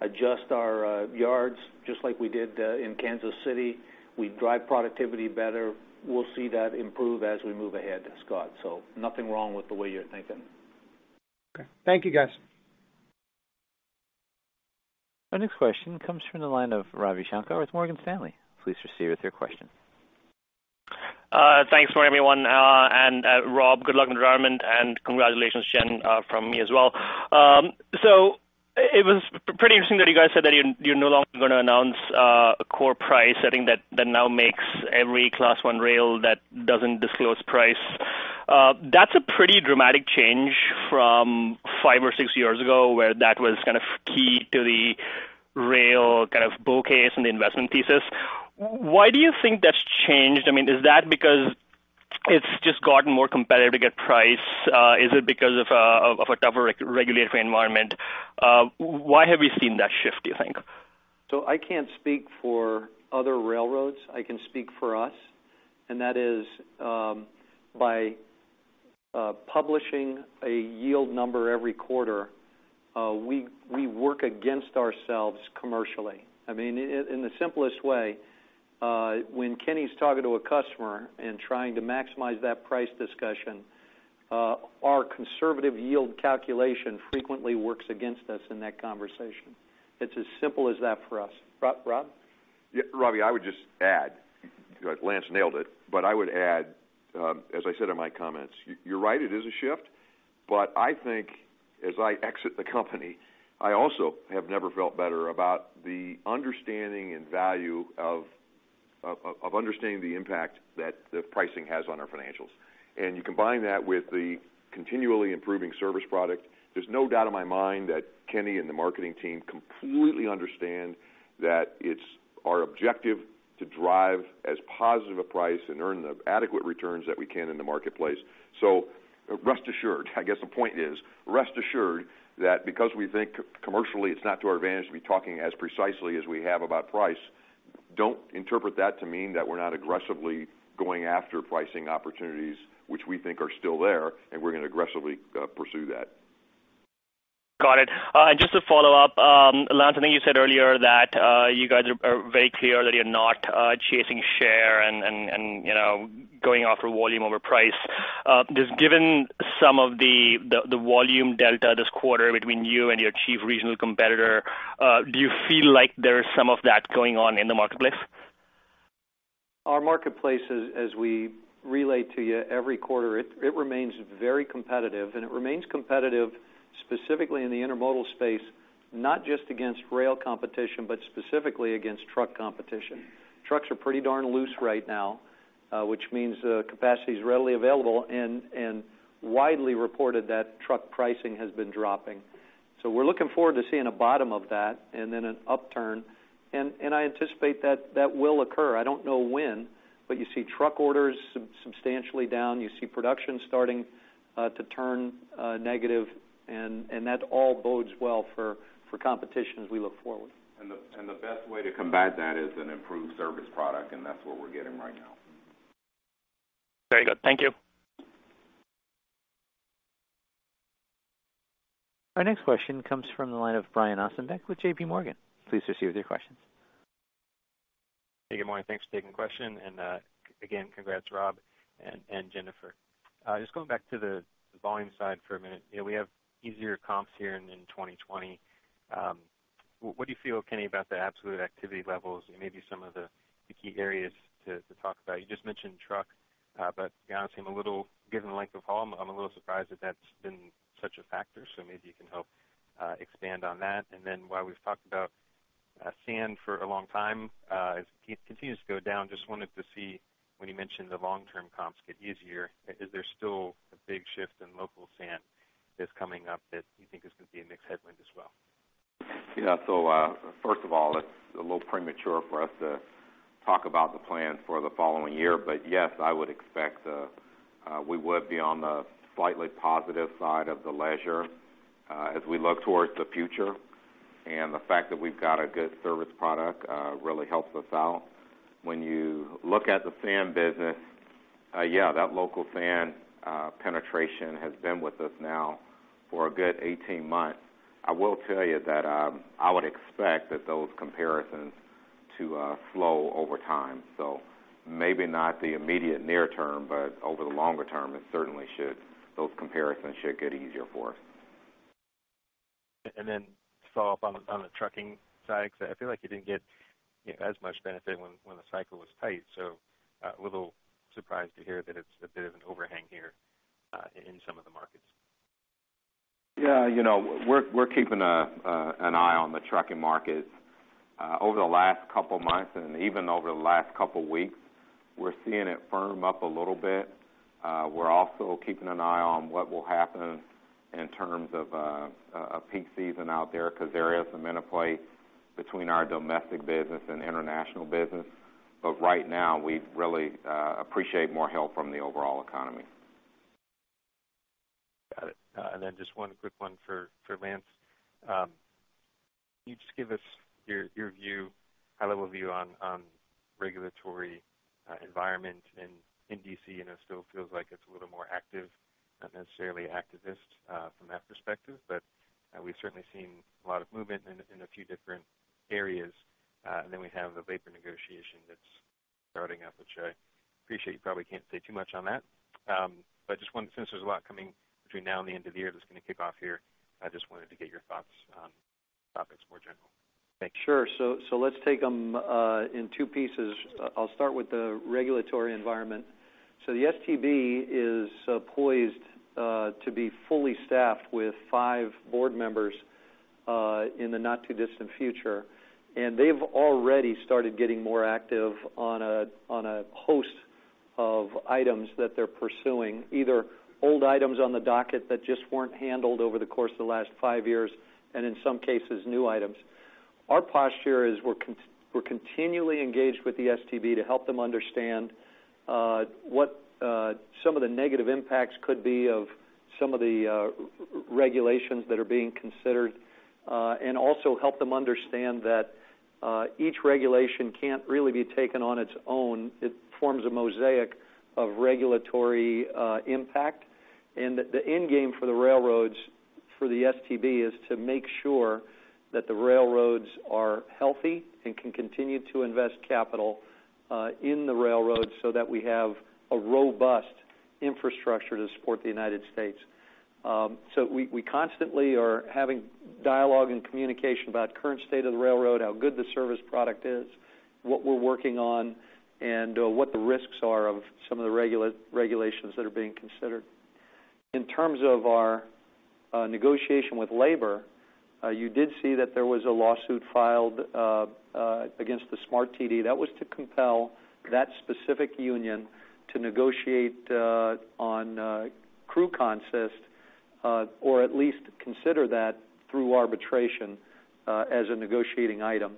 adjust our yards, just like we did in Kansas City, we drive productivity better. We'll see that improve as we move ahead, Scott. Nothing wrong with the way you're thinking. Okay. Thank you, guys. Our next question comes from the line of Ravi Shanker with Morgan Stanley. Please proceed with your question. Thanks, everyone. Rob, good luck in retirement, and congratulations, Jen, from me as well. It was pretty interesting that you guys said that you're no longer going to announce a core price. I think that now makes every Class I rail that doesn't disclose price. That's a pretty dramatic change from five or six years ago, where that was kind of key to the rail kind of bull case and the investment thesis. Why do you think that's changed? Is that because it's just gotten more competitive to get price? Is it because of a tougher regulatory environment? Why have we seen that shift, do you think? I can't speak for other railroads. I can speak for us, and that is, by publishing a yield number every quarter, we work against ourselves commercially. In the simplest way, when Kenny's talking to a customer and trying to maximize that price discussion, our conservative yield calculation frequently works against us in that conversation. It's as simple as that for us. Rob? Yeah, Ravi, Lance nailed it. I would add, as I said in my comments, you're right, it is a shift. I think as I exit the company, I also have never felt better about the understanding and value of understanding the impact that the pricing has on our financials. You combine that with the continually improving service product, there's no doubt in my mind that Kenny and the marketing team completely understand that it's our objective to drive as positive a price and earn the adequate returns that we can in the marketplace. Rest assured, I guess the point is, rest assured that because we think commercially, it's not to our advantage to be talking as precisely as we have about price. Don't interpret that to mean that we're not aggressively going after pricing opportunities, which we think are still there, and we're going to aggressively pursue that. Got it. Just to follow up, Lance, I think you said earlier that you guys are very clear that you're not chasing share and going after volume over price. Just given some of the volume delta this quarter between you and your chief regional competitor, do you feel like there's some of that going on in the marketplace? Our marketplace, as we relate to you every quarter, it remains very competitive and it remains competitive specifically in the intermodal space, not just against rail competition, but specifically against truck competition. Trucks are pretty darn loose right now, which means capacity is readily available and widely reported that truck pricing has been dropping. We're looking forward to seeing a bottom of that and then an upturn, and I anticipate that will occur. I don't know when, but you see truck orders substantially down. You see production starting to turn negative, and that all bodes well for competition as we look forward. The best way to combat that is an improved service product, and that's what we're getting right now. Very good. Thank you. Our next question comes from the line of Brian Ossenbeck with J.P. Morgan. Please proceed with your questions. Hey, good morning. Thanks for taking the question and, again, congrats, Rob and Jennifer. Just going back to the volume side for a minute. We have easier comps here in 2020. What do you feel, Kenny, about the absolute activity levels and maybe some of the key areas to talk about? You just mentioned truck, but to be honest, given the length of haul, I'm a little surprised that that's been such a factor, so maybe you can help expand on that. While we've talked about sand for a long time, as it continues to go down, just wanted to see when you mentioned the long term comps get easier, is there still a big shift in local sand that's coming up that you think is going to be a mixed headwind as well? First of all, it's a little premature for us to talk about the plans for the following year. Yes, I would expect we would be on the slightly positive side of the ledger as we look towards the future, and the fact that we've got a good service product really helps us out. When you look at the sand business, yeah, that local sand penetration has been with us now for a good 18 months. I will tell you that I would expect that those comparisons to slow over time. Maybe not the immediate near term, but over the longer term, it certainly should. Those comparisons should get easier for us. Just follow up on the trucking side, because I feel like you didn't get as much benefit when the cycle was tight. A little surprised to hear that it's a bit of an overhang here in some of the markets. Yeah, we're keeping an eye on the trucking market. Over the last couple of months and even over the last couple of weeks, we're seeing it firm up a little bit. We're also keeping an eye on what will happen in terms of a peak season out there, because there is some interplay between our domestic business and international business. Right now, we'd really appreciate more help from the overall economy. Got it. Then just one quick one for Lance. Can you just give us your high-level view on regulatory environment in D.C., and it still feels like it's a little more active, not necessarily activist from that perspective, but we've certainly seen a lot of movement in a few different areas. Then we have the labor negotiation that's starting up, which I appreciate you probably can't say too much on that. Since there's a lot coming between now and the end of the year that's going to kick off here, I just wanted to get your thoughts on topics more general. Thanks. Sure. Let's take them in two pieces. I'll start with the regulatory environment. The STB is poised to be fully staffed with five board members in the not-too-distant future. They've already started getting more active on a host of items that they're pursuing, either old items on the docket that just weren't handled over the course of the last five years. In some cases, new items. Our posture is we're continually engaged with the STB to help them understand what some of the negative impacts could be of some of the regulations that are being considered. Also help them understand that each regulation can't really be taken on its own. It forms a mosaic of regulatory impact, and that the end game for the railroads, for the STB is to make sure that the railroads are healthy and can continue to invest capital in the railroads so that we have a robust infrastructure to support the United States. We constantly are having dialogue and communication about current state of the railroad, how good the service product is, what we're working on, and what the risks are of some of the regulations that are being considered. In terms of our negotiation with labor, you did see that there was a lawsuit filed against the SMART-TD. That was to compel that specific union to negotiate on crew consist, or at least consider that through arbitration as a negotiating item.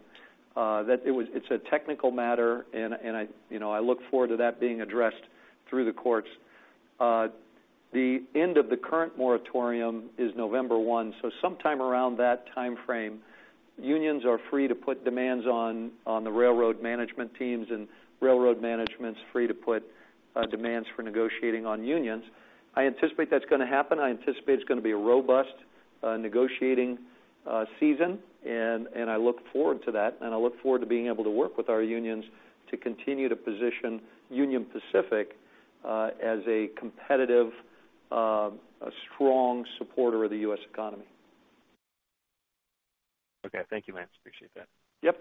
It's a technical matter, and I look forward to that being addressed through the courts. The end of the current moratorium is November 1. Sometime around that timeframe, unions are free to put demands on the railroad management teams. Railroad management's free to put demands for negotiating on unions. I anticipate that's going to happen. I anticipate it's going to be a robust negotiating season. I look forward to that. I look forward to being able to work with our unions to continue to position Union Pacific as a competitive, strong supporter of the U.S. economy. Okay. Thank you, Lance. Appreciate that. Yep.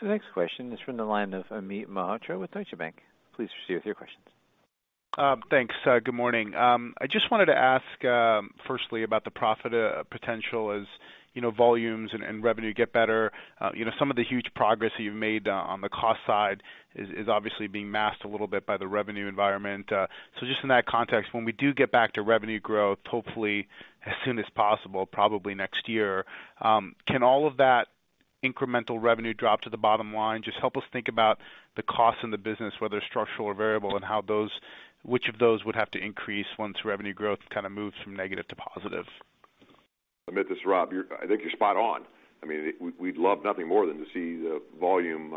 The next question is from the line of Amit Mehrotra with Deutsche Bank. Please proceed with your questions. Thanks. Good morning. I just wanted to ask firstly about the profit potential as volumes and revenue get better. Some of the huge progress that you've made on the cost side is obviously being masked a little bit by the revenue environment. Just in that context, when we do get back to revenue growth, hopefully as soon as possible, probably next year, can all of that incremental revenue drop to the bottom line? Just help us think about the costs in the business, whether structural or variable, and which of those would have to increase once revenue growth moves from negative to positive. Amit, this is Rob. I think you're spot on. We'd love nothing more than to see the volume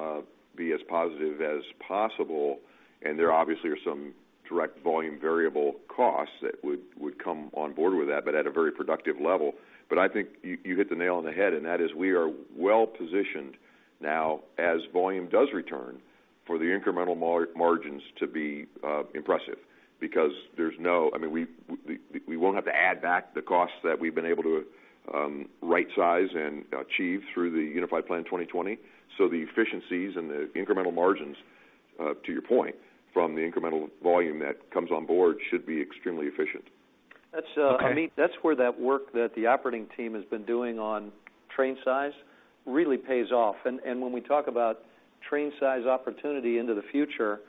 be as positive as possible, and there obviously are some direct volume variable costs that would come on board with that, but at a very productive level. I think you hit the nail on the head, and that is we are well positioned now as volume does return for the incremental margins to be impressive because we won't have to add back the costs that we've been able to right size and achieve through the Unified Plan 2020. The efficiencies and the incremental margins, to your point, from the incremental volume that comes on board, should be extremely efficient. Amit, that's where that work that the operating team has been doing on train size really pays off. When we talk about train size opportunity into the future,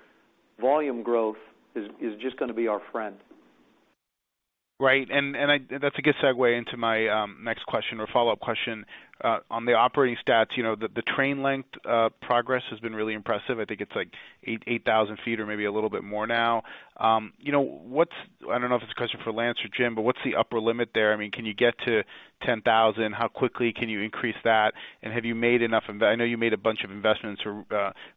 volume growth is just going to be our friend. Right. That's a good segue into my next question or follow-up question. On the operating stats, the train length progress has been really impressive. I think it's 8,000 feet or maybe a little bit more now. I don't know if it's a question for Lance or Jim, what's the upper limit there? Can you get to 10,000? How quickly can you increase that? Have you made enough of that? I know you made a bunch of investments or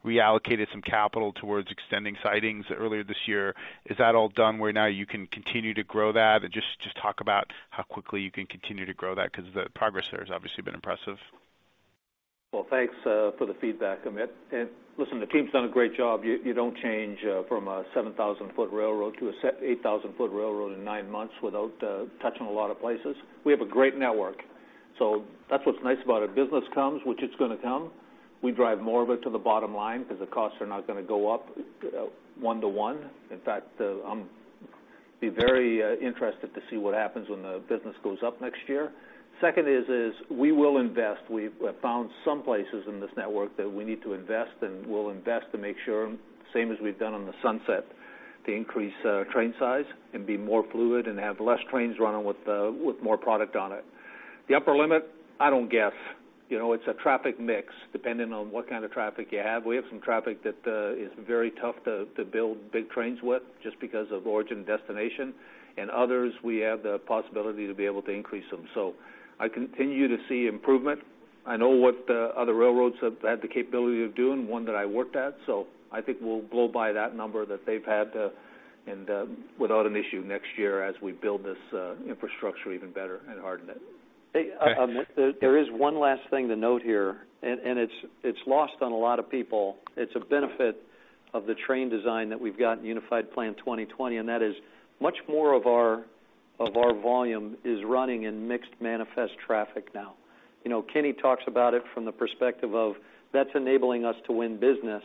reallocated some capital towards extending sidings earlier this year. Is that all done where now you can continue to grow that? Just talk about how quickly you can continue to grow that because the progress there has obviously been impressive. Well, thanks for the feedback, Amit. Listen, the team's done a great job. You don't change from a 7,000-foot railroad to a 8,000-foot railroad in nine months without touching a lot of places. We have a great network. That's what's nice about it. Business comes, which it's going to come, we drive more of it to the bottom line because the costs are not going to go up one to one. In fact, I'm. Be very interested to see what happens when the business goes up next year. Second is, we will invest. We've found some places in this network that we need to invest, and we'll invest to make sure, same as we've done on the Sunset, to increase train size and be more fluid and have less trains running with more product on it. The upper limit, I don't guess. It's a traffic mix depending on what kind of traffic you have. We have some traffic that is very tough to build big trains with, just because of origin and destination. Others, we have the possibility to be able to increase them. I continue to see improvement. I know what other railroads have had the capability of doing, one that I worked at, so I think we'll blow by that number that they've had and without an issue next year as we build this infrastructure even better and harden it. Hey, there is one last thing to note here, and it's lost on a lot of people. It's a benefit of the train design that we've got in Unified Plan 2020, and that is much more of our volume is running in mixed manifest traffic now. Kenny talks about it from the perspective of that's enabling us to win business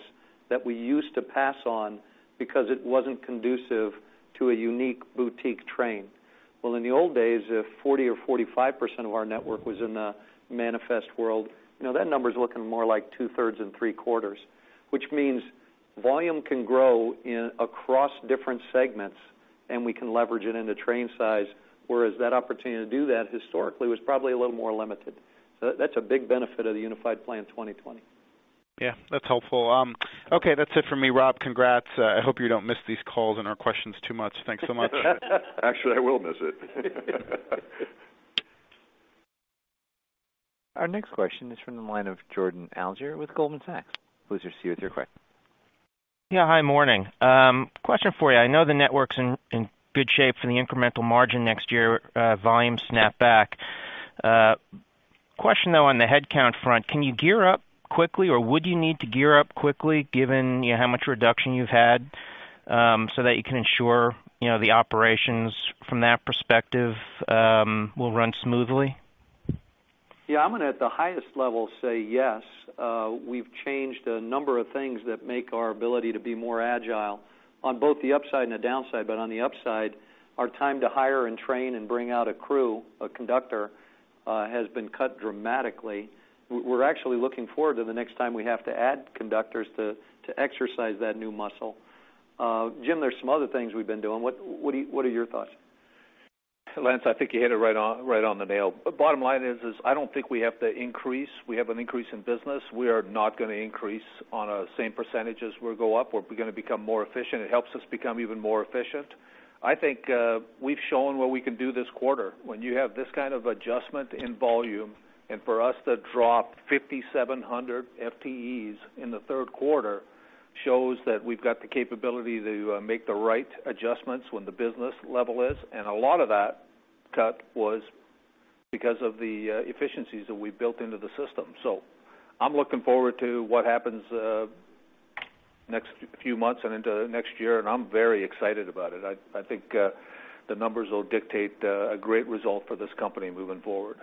that we used to pass on because it wasn't conducive to a unique boutique train. Well, in the old days, if 40% or 45% of our network was in the manifest world, that number's looking more like two-thirds and three-quarters, which means volume can grow across different segments, and we can leverage it into train size, whereas that opportunity to do that historically was probably a little more limited. That's a big benefit of the Unified Plan 2020. Yeah, that's helpful. Okay, that's it for me, Rob. Congrats. I hope you don't miss these calls and our questions too much. Thanks so much. Actually, I will miss it. Our next question is from the line of Jordan Alliger with Goldman Sachs. Please proceed with your question. Yeah. Hi, morning. Question for you. I know the network's in good shape for the incremental margin next year, volume snapback. Question, though, on the headcount front, can you gear up quickly, or would you need to gear up quickly given how much reduction you've had, so that you can ensure the operations from that perspective will run smoothly? Yeah, I'm going to, at the highest level, say yes. We've changed a number of things that make our ability to be more agile on both the upside and the downside. On the upside, our time to hire and train and bring out a crew, a conductor, has been cut dramatically. We're actually looking forward to the next time we have to add conductors to exercise that new muscle. Jim, there's some other things we've been doing. What are your thoughts? Lance, I think you hit it right on the nail. Bottom line is, I don't think we have to increase. We have an increase in business. We are not going to increase on a same percentage as we go up. We're going to become more efficient. It helps us become even more efficient. I think we've shown what we can do this quarter. When you have this kind of adjustment in volume and for us to drop 5,700 FTEs in the third quarter shows that we've got the capability to make the right adjustments when the business level is. A lot of that cut was because of the efficiencies that we built into the system. I'm looking forward to what happens next few months and into next year, and I'm very excited about it. I think the numbers will dictate a great result for this company moving forward.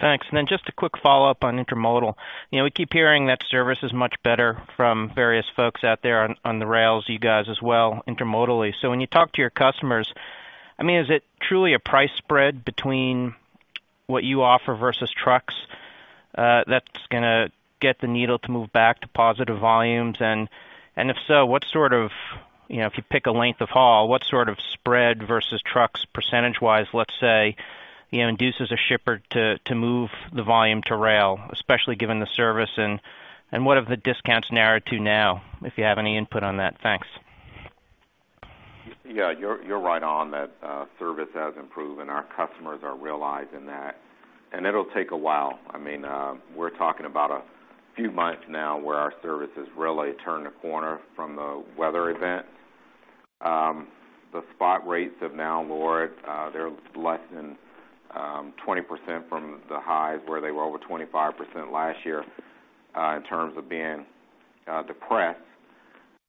Thanks. Then just a quick follow-up on intermodal. We keep hearing that service is much better from various folks out there on the rails, you guys as well, intermodally. When you talk to your customers, is it truly a price spread between what you offer versus trucks that's going to get the needle to move back to positive volumes? If so, if you pick a length of haul, what sort of spread versus trucks percentage-wise, let's say, induces a shipper to move the volume to rail, especially given the service, and what have the discounts narrowed to now? If you have any input on that. Thanks. You're right on that service has improved, and our customers are realizing that, and it'll take a while. We're talking about a few months now where our service has really turned a corner from the weather event. The spot rates have now lowered. They're less than 20% from the highs where they were over 25% last year in terms of being depressed.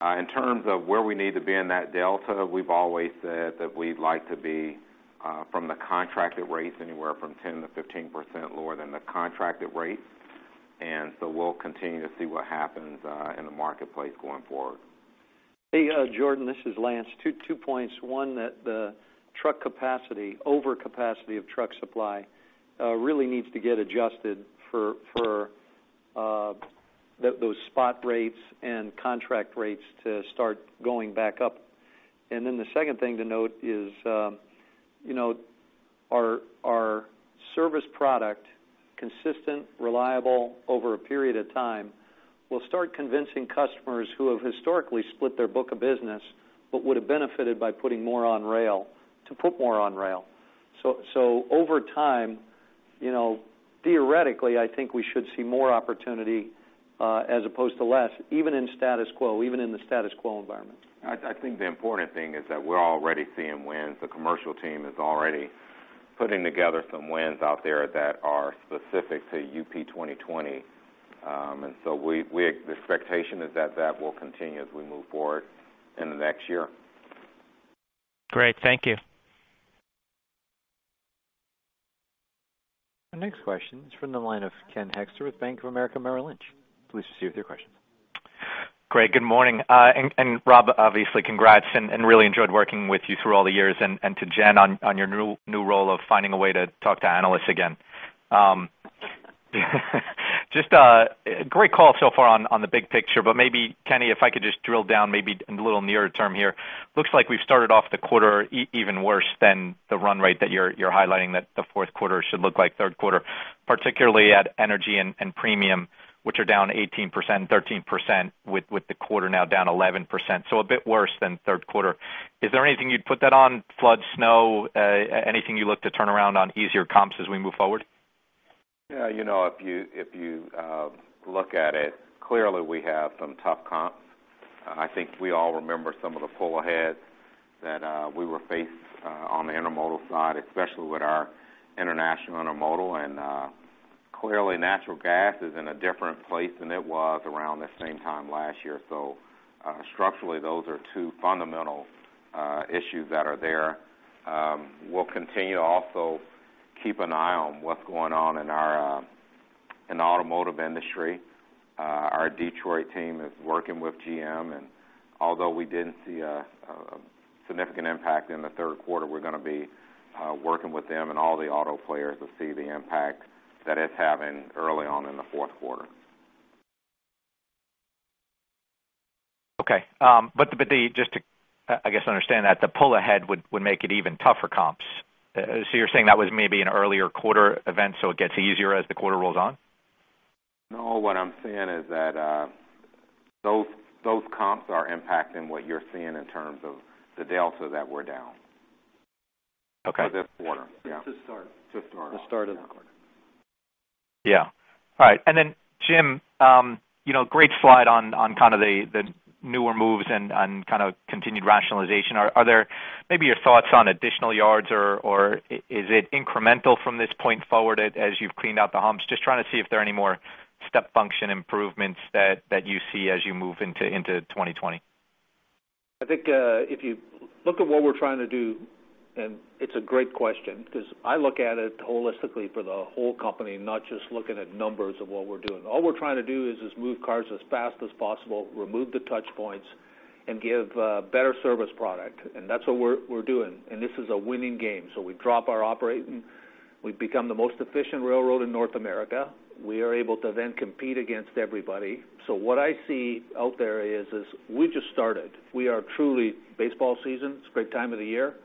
In terms of where we need to be in that delta, we've always said that we'd like to be from the contracted rates anywhere from 10%-15% lower than the contracted rate. We'll continue to see what happens in the marketplace going forward. Hey, Jordan, this is Lance. Two points. One, that the truck capacity, overcapacity of truck supply really needs to get adjusted for those spot rates and contract rates to start going back up. The second thing to note is our service product, consistent, reliable over a period of time, will start convincing customers who have historically split their book of business but would have benefited by putting more on rail, to put more on rail. Over time, theoretically, I think we should see more opportunity as opposed to less, even in status quo, even in the status quo environment. I think the important thing is that we're already seeing wins. The commercial team is already putting together some wins out there that are specific to UP 2020. The expectation is that that will continue as we move forward in the next year. Great. Thank you. Our next question is from the line of Ken Hoexter with Bank of America Merrill Lynch. Please proceed with your questions. Great. Good morning. Rob, obviously congrats and really enjoyed working with you through all the years and to Jen on your new role of finding a way to talk to analysts again. Just a great call so far on the big picture, but maybe Kenny, if I could just drill down maybe a little nearer term here. Looks like we've started off the quarter even worse than the run rate that you're highlighting that the fourth quarter should look like third quarter, particularly at energy and premium, which are down 18%, 13% with the quarter now down 11%. A bit worse than third quarter. Is there anything you'd put that on? Flood, snow, anything you look to turn around on easier comps as we move forward? Yeah, if you look at it, clearly we have some tough comps. I think we all remember some of the pull ahead that we were faced on the intermodal side, especially with our international intermodal. Clearly, natural gas is in a different place than it was around the same time last year. Structurally, those are two fundamental issues that are there. We'll continue to also keep an eye on what's going on in the automotive industry. Our Detroit team is working with GM, and although we didn't see a significant impact in the third quarter, we're going to be working with them and all the auto players to see the impact that it's having early on in the fourth quarter. Okay. Just to, I guess understand that the pull ahead would make it even tougher comps. You're saying that was maybe an earlier quarter event, so it gets easier as the quarter rolls on? No, what I'm saying is that, those comps are impacting what you're seeing in terms of the delta that we're down. Okay. For this quarter, yeah. It's a start. It's a start. The start of the quarter. Yeah. All right. Jim, great slide on the newer moves and continued rationalization. Are there maybe your thoughts on additional yards or is it incremental from this point forward as you've cleaned out the humps? Just trying to see if there are any more step function improvements that you see as you move into 2020. I think, if you look at what we're trying to do, it's a great question because I look at it holistically for the whole company, not just looking at numbers of what we're doing. All we're trying to do is just move cars as fast as possible, remove the touch points and give better service product. That's what we're doing, and this is a winning game. We drop our operating, we become the most efficient railroad in North America. We are able to compete against everybody. What I see out there is, we just started. We are truly baseball season. It's a great time of the year.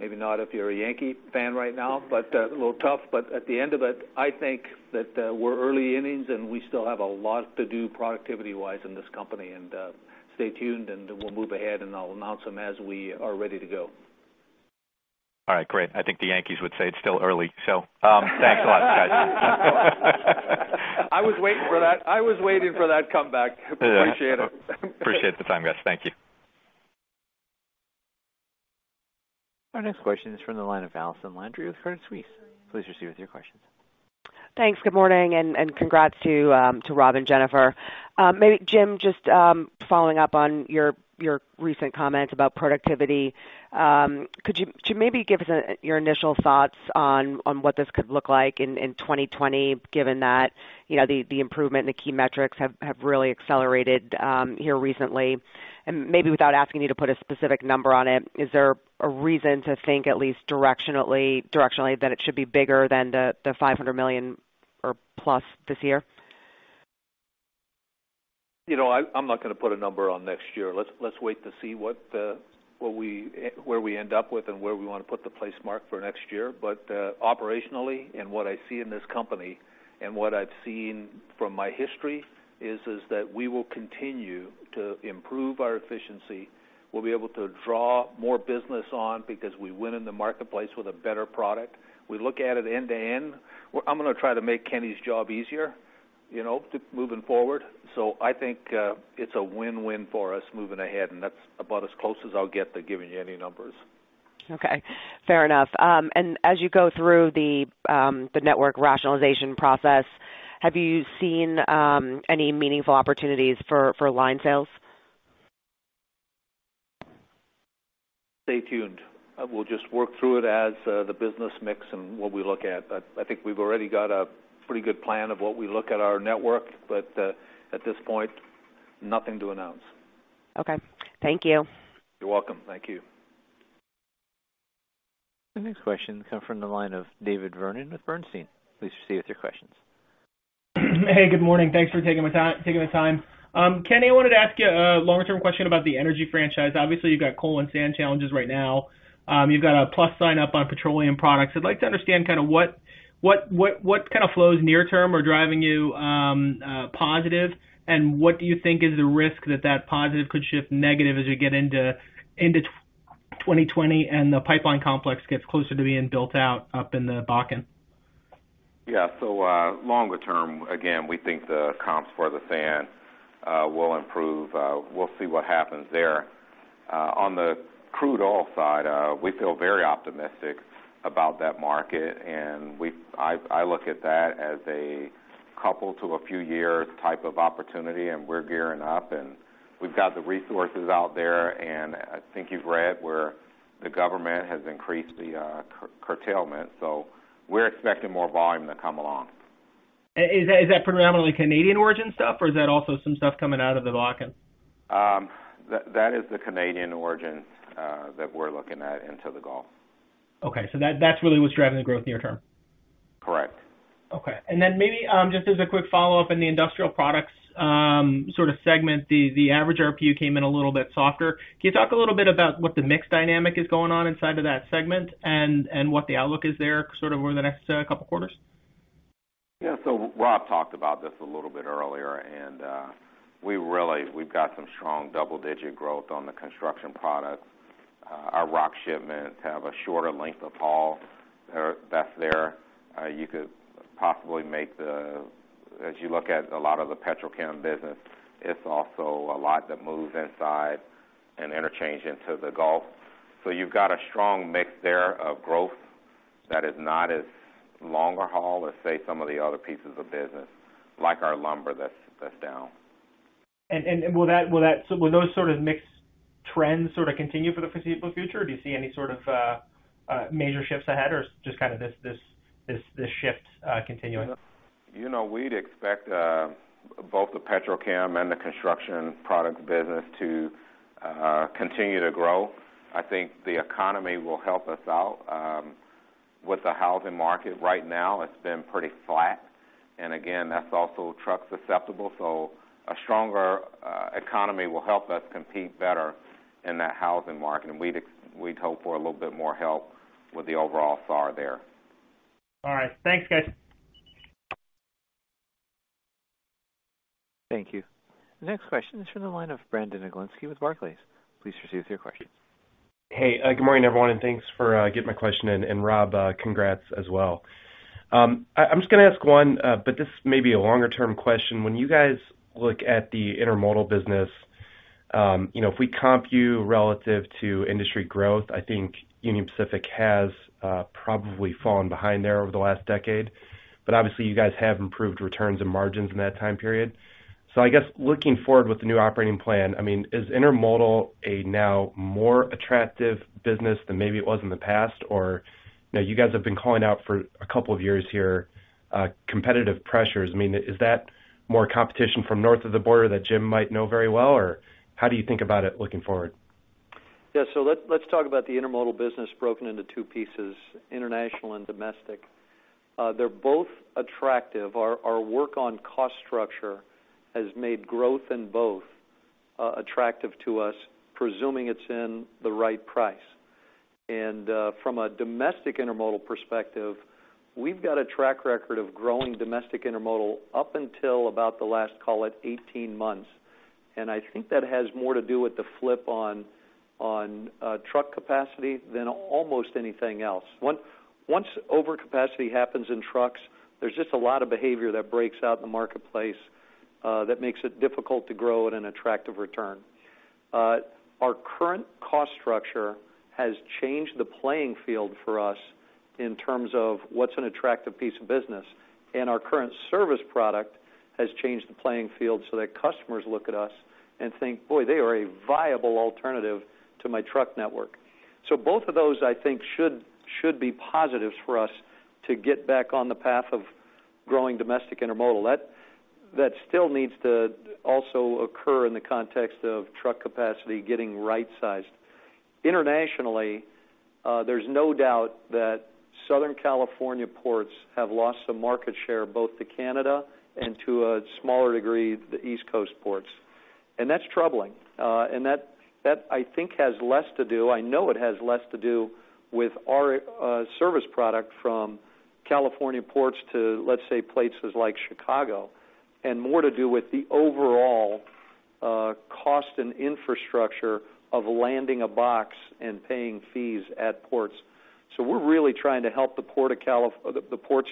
Maybe not if you're a Yankee fan right now, but a little tough. At the end of it, I think that we're early innings and we still have a lot to do productivity-wise in this company, and stay tuned, and we'll move ahead and I'll announce them as we are ready to go. All right, great. I think the Yankees would say it's still early, so thanks a lot, guys. I was waiting for that comeback. Appreciate it. Appreciate the time, guys. Thank you. Our next question is from the line of Allison Landry with Credit Suisse. Please proceed with your questions. Thanks. Good morning. Congrats to Rob and Jennifer. Maybe Jim, just following up on your recent comments about productivity, could you maybe give us your initial thoughts on what this could look like in 2020, given that the improvement in the key metrics have really accelerated here recently? Maybe without asking you to put a specific number on it, is there a reason to think at least directionally that it should be bigger than the $500 million or plus this year? I'm not going to put a number on next year. Let's wait to see where we end up with and where we want to put the place mark for next year. Operationally and what I see in this company and what I've seen from my history is that we will continue to improve our efficiency. We'll be able to draw more business on because we win in the marketplace with a better product. We look at it end to end. I'm going to try to make Kenny's job easier, moving forward. I think it's a win-win for us moving ahead, and that's about as close as I'll get to giving you any numbers. Okay. Fair enough. As you go through the network rationalization process, have you seen any meaningful opportunities for line sales? Stay tuned. We'll just work through it as the business mix and what we look at. I think we've already got a pretty good plan of what we look at our network, but at this point, nothing to announce. Okay. Thank you. You're welcome. Thank you. The next question comes from the line of David Vernon with Bernstein. Please proceed with your questions. Hey, good morning. Thanks for taking the time. Kenny, I wanted to ask you a longer term question about the energy franchise. Obviously, you've got coal and sand challenges right now. You've got a plus sign up on petroleum products. I'd like to understand what flows near term are driving you positive, and what do you think is the risk that positive could shift negative as you get into 2020 and the pipeline complex gets closer to being built out up in the Bakken? Yeah. Longer term, again, we think the comps for the sand will improve. We'll see what happens there. On the crude oil side, we feel very optimistic about that market, and I look at that as a couple to a few years type of opportunity, and we're gearing up and we've got the resources out there, and I think you've read where the government has increased the curtailment. We're expecting more volume to come along. Is that predominantly Canadian origin stuff or is that also some stuff coming out of the Bakken? That is the Canadian origin that we're looking at into the Gulf. Okay. That's really what's driving the growth near term. Correct. Okay. Maybe just as a quick follow-up in the industrial products sort of segment, the average RPU came in a little bit softer. Can you talk a little bit about what the mix dynamic is going on inside of that segment and what the outlook is there sort of over the next couple of quarters? Yeah. Rob talked about this a little bit earlier, and we've got some strong double-digit growth on the construction products. Our rock shipments have a shorter length of haul that's there. You could possibly make the, as you look at a lot of the petrochem business, it's also a lot that moves inside and interchange into the Gulf. You've got a strong mix there of growth that is not as longer haul as, say, some of the other pieces of business, like our lumber, that's down. Will those sort of mix trends sort of continue for the foreseeable future? Do you see any sort of major shifts ahead or just this shift continuing? We'd expect both the petrochem and the construction products business to continue to grow. I think the economy will help us out with the housing market. Right now, it's been pretty flat and again, that's also truck susceptible, so a stronger economy will help us compete better in that housing market, and we'd hope for a little bit more help with the overall SAAR there. All right. Thanks, guys. Thank you. The next question is from the line of Brandon Oglenski with Barclays. Please proceed with your question. Hey, good morning, everyone, and thanks for getting my question in. Rob, congrats as well. I'm just going to ask one, but this may be a longer-term question. When you guys look at the intermodal business, if we comp you relative to industry growth, I think Union Pacific has probably fallen behind there over the last decade. Obviously, you guys have improved returns and margins in that time period. I guess looking forward with the new operating plan, is intermodal a now more attractive business than maybe it was in the past? You guys have been calling out for a couple of years here, competitive pressures. Is that more competition from north of the border that Jim might know very well? How do you think about it looking forward? Let's talk about the intermodal business broken into two pieces, international and domestic. They're both attractive. Our work on cost structure has made growth in both attractive to us, presuming it's in the right price. From a domestic intermodal perspective, we've got a track record of growing domestic intermodal up until about the last, call it, 18 months. I think that has more to do with the flip on truck capacity than almost anything else. Once overcapacity happens in trucks, there's just a lot of behavior that breaks out in the marketplace that makes it difficult to grow at an attractive return. Our current cost structure has changed the playing field for us in terms of what's an attractive piece of business. Our current service product has changed the playing field so that customers look at us and think, "Boy, they are a viable alternative to my truck network." Both of those, I think, should be positives for us to get back on the path of growing domestic intermodal. That still needs to also occur in the context of truck capacity getting right-sized. Internationally, there's no doubt that Southern California ports have lost some market share, both to Canada and to a smaller degree, the East Coast ports. That's troubling. That, I think, has less to do, I know it has less to do with our service product from California ports to, let's say, places like Chicago, and more to do with the overall cost and infrastructure of landing a box and paying fees at ports. We're really trying to help the ports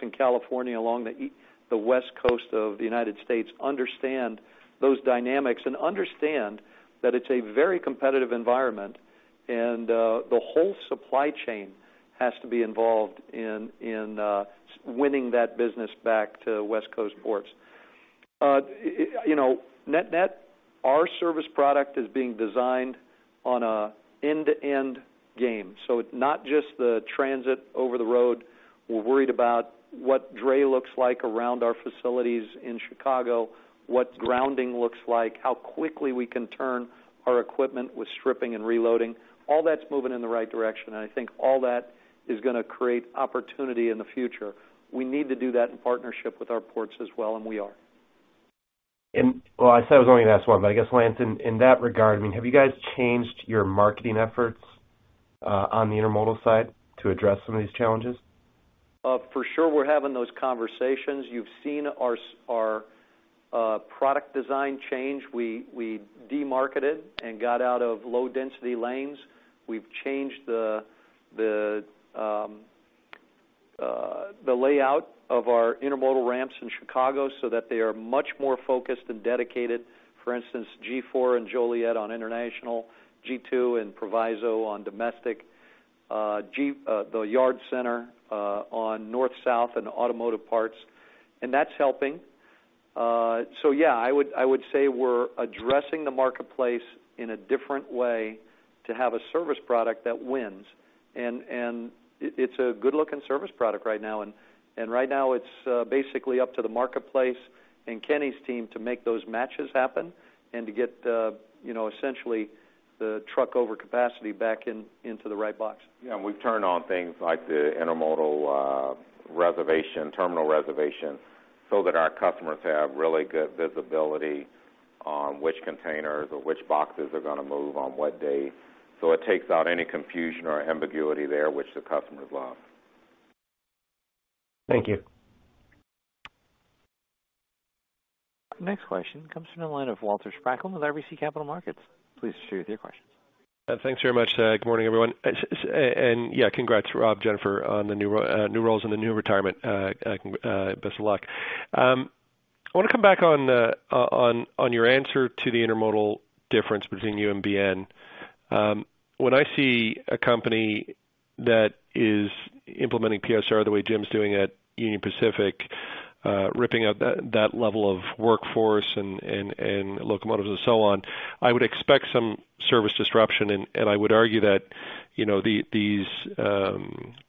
in California along the West Coast of the U.S. understand those dynamics and understand that it's a very competitive environment, and the whole supply chain has to be involved in winning that business back to West Coast ports. Net net, our service product is being designed on an end-to-end game. It's not just the transit over the road. We're worried about what dray looks like around our facilities in Chicago, what grounding looks like, how quickly we can turn our equipment with stripping and reloading. All that's moving in the right direction, and I think all that is going to create opportunity in the future. We need to do that in partnership with our ports as well, and we are. Well, I said I was only going to ask one, but I guess, Lance, in that regard, have you guys changed your marketing efforts on the intermodal side to address some of these challenges? For sure, we're having those conversations. You've seen our product design change. We de-marketed and got out of low-density lanes. We've changed the layout of our intermodal ramps in Chicago so that they are much more focused and dedicated. For instance, G4 and Joliet on international, G2 and Proviso on domestic, the yard center on north-south and automotive parts. Yeah, I would say we're addressing the marketplace in a different way to have a service product that wins, and it's a good-looking service product right now. Right now, it's basically up to the marketplace and Kenny's team to make those matches happen and to get essentially the truck overcapacity back into the right box. Yeah, we've turned on things like the intermodal reservation, terminal reservation, so that our customers have really good visibility on which containers or which boxes are going to move on what day. It takes out any confusion or ambiguity there, which the customers love. Thank you. Next question comes from the line of Walter Spracklin with RBC Capital Markets. Please share with your questions. Thanks very much. Good morning, everyone. Yeah, congrats, Rob, Jennifer, on the new roles and the new retirement. Best of luck. I want to come back on your answer to the intermodal difference between you and BN. When I see a company that is implementing PSR the way Jim's doing at Union Pacific, ripping out that level of workforce and locomotives and so on, I would expect some service disruption, and I would argue that these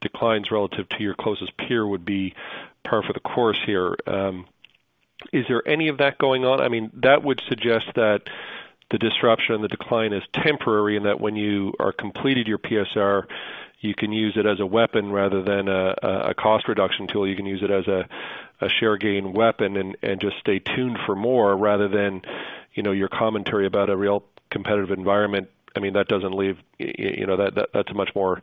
declines relative to your closest peer would be par for the course here. Is there any of that going on? That would suggest that the disruption, the decline is temporary, and that when you are completed your PSR, you can use it as a weapon rather than a cost reduction tool. You can use it as a share gain weapon and just stay tuned for more rather than your commentary about a real competitive environment. That's much more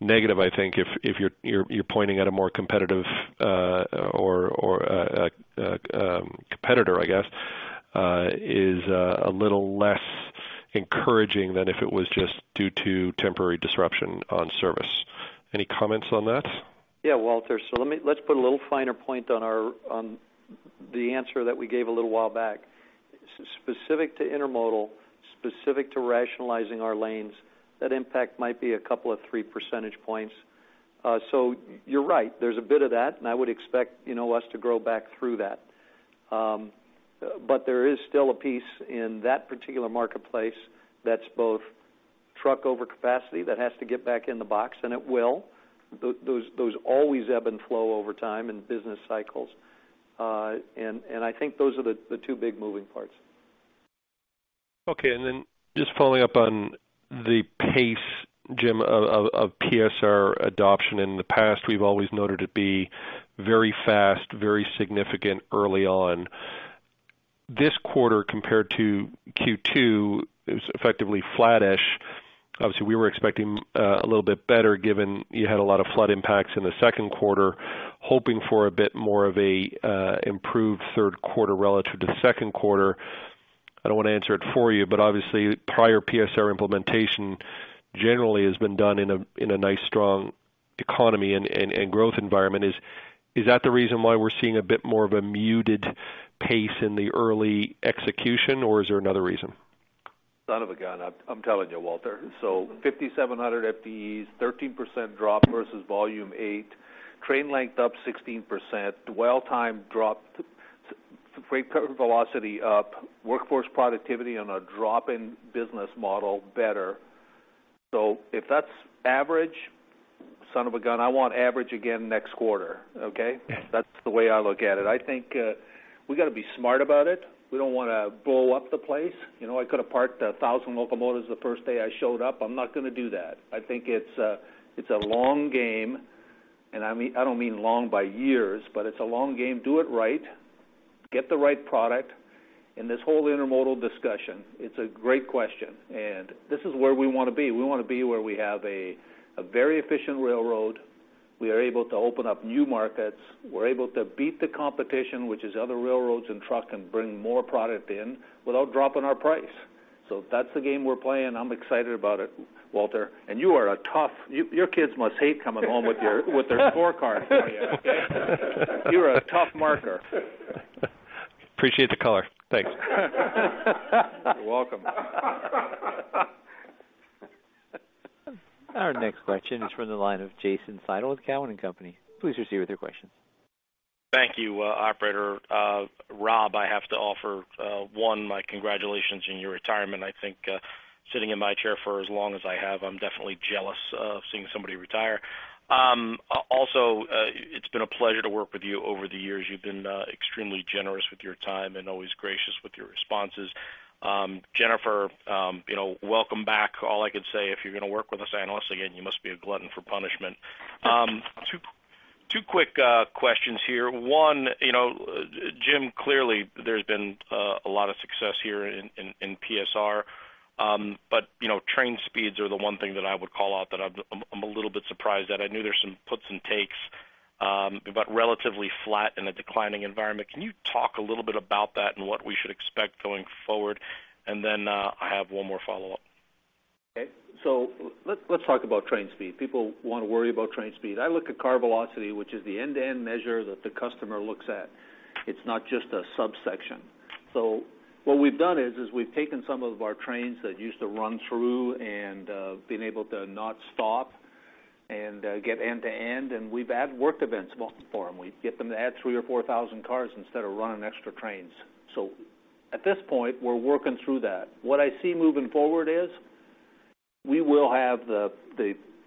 negative, I think, if you're pointing at a more competitive or a competitor, I guess, is a little less encouraging than if it was just due to temporary disruption on service. Any comments on that? Yeah, Walter, let's put a little finer point on the answer that we gave a little while back. Specific to intermodal, specific to rationalizing our lanes, that impact might be a couple of three percentage points. You're right, there's a bit of that, and I would expect us to grow back through that. There is still a piece in that particular marketplace that's both truck overcapacity that has to get back in the box, and it will. Those always ebb and flow over time in business cycles. I think those are the two big moving parts. Okay, then just following up on the pace, Jim, of PSR adoption. In the past, we've always noted it be very fast, very significant early on. This quarter compared to Q2, it was effectively flattish. Obviously, we were expecting a little bit better given you had a lot of flood impacts in the second quarter, hoping for a bit more of a improved third quarter relative to second quarter. I don't want to answer it for you, obviously, prior PSR implementation generally has been done in a nice, strong economy and growth environment. Is that the reason why we're seeing a bit more of a muted pace in the early execution, is there another reason? I'm telling you, Walter. 5,700 FTEs, 13% drop versus volume eight, train length up 16%, dwell time dropped, freight velocity up, workforce productivity on a drop-in business model better. If that's average, son of a gun, I want average again next quarter, okay? Yeah. That's the way I look at it. I think we got to be smart about it. We don't want to blow up the place. I could have parked 1,000 locomotives the first day I showed up. I'm not going to do that. I think it's a long game, and I don't mean long by years, but it's a long game. Do it right, get the right product. This whole intermodal discussion, it's a great question, and this is where we want to be. We want to be where we have a very efficient railroad. We are able to open up new markets. We're able to beat the competition, which is other railroads and truck, and bring more product in without dropping our price. That's the game we're playing. I'm excited about it, Walter. Your kids must hate coming home with their scorecards for you, okay? You're a tough marker. Appreciate the color. Thanks. You're welcome. Our next question is from the line of Jason Seidl with Cowen and Company. Please proceed with your questions. Thank you, operator. Rob, I have to offer, one, my congratulations on your retirement. I think sitting in my chair for as long as I have, I'm definitely jealous of seeing somebody retire. Also, it's been a pleasure to work with you over the years. You've been extremely generous with your time and always gracious with your responses. Jennifer, welcome back. All I could say, if you're going to work with us analysts again, you must be a glutton for punishment. Two quick questions here. One, Jim, clearly, there's been a lot of success here in PSR. Train speeds are the one thing that I would call out that I'm a little bit surprised at. I knew there's some puts and takes, but relatively flat in a declining environment. Can you talk a little bit about that and what we should expect going forward? I have one more follow-up. Okay. Let's talk about train speed. People want to worry about train speed. I look at car velocity, which is the end-to-end measure that the customer looks at. It's not just a subsection. What we've done is we've taken some of our trains that used to run through and been able to not stop Get end-to-end, and we've added work events for them. We get them to add 3,000 or 4,000 cars instead of running extra trains. At this point, we're working through that. What I see moving forward is, we will have the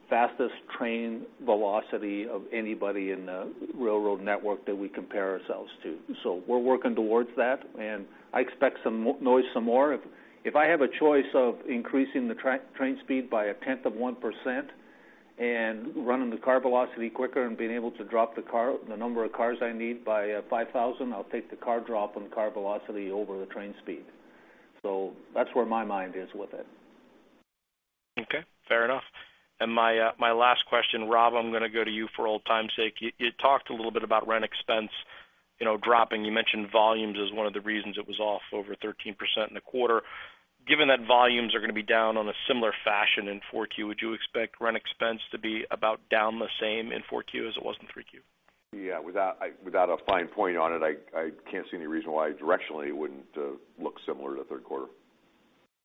fastest train velocity of anybody in the railroad network that we compare ourselves to. We're working towards that, and I expect some noise some more. If I have a choice of increasing the train speed by a tenth of 1% and running the car velocity quicker and being able to drop the number of cars I need by 5,000, I'll take the car drop and car velocity over the train speed. That's where my mind is with it. Okay, fair enough. My last question, Rob, I'm going to go to you for old time's sake. You talked a little bit about rent expense dropping. You mentioned volumes as one of the reasons it was off over 13% in the quarter. Given that volumes are going to be down on a similar fashion in Q4, would you expect rent expense to be about down the same in Q4 as it was in Q3? Without a fine point on it, I can't see any reason why directionally it wouldn't look similar to the third quarter.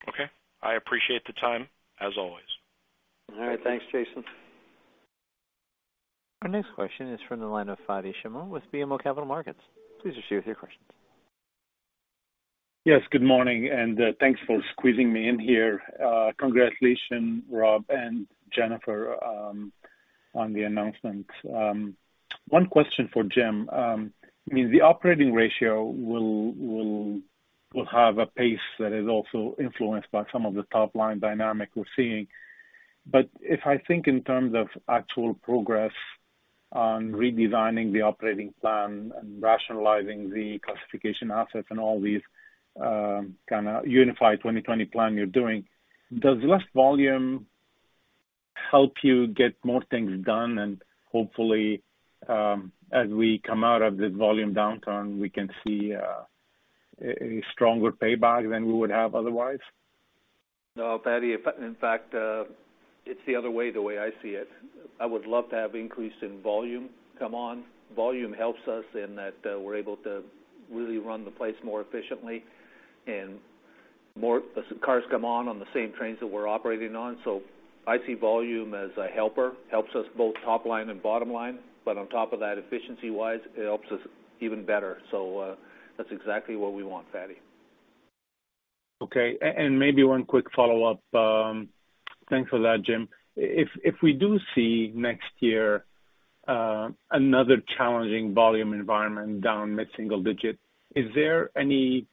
Okay. I appreciate the time, as always. All right. Thanks, Jason. Our next question is from the line of Fadi Chamoun with BMO Capital Markets. Please proceed with your questions. Yes, good morning, and thanks for squeezing me in here. Congratulations, Rob and Jennifer, on the announcement. One question for Jim. The operating ratio will have a pace that is also influenced by some of the top-line dynamic we're seeing. If I think in terms of actual progress on redesigning the operating plan and rationalizing the classification assets and all these kind of Unified Plan 2020 you're doing, does less volume help you get more things done, and hopefully, as we come out of this volume downturn, we can see a stronger payback than we would have otherwise? Fadi, in fact, it's the other way, the way I see it. I would love to have increase in volume come on. Volume helps us in that we're able to really run the place more efficiently and more cars come on on the same trains that we're operating on. I see volume as a helper. Volume helps us both top line and bottom line. On top of that, efficiency-wise, it helps us even better. That's exactly what we want, Fadi. Okay. Maybe one quick follow-up. Thanks for that, Jim. If we do see next year another challenging volume environment down mid-single digit, is there any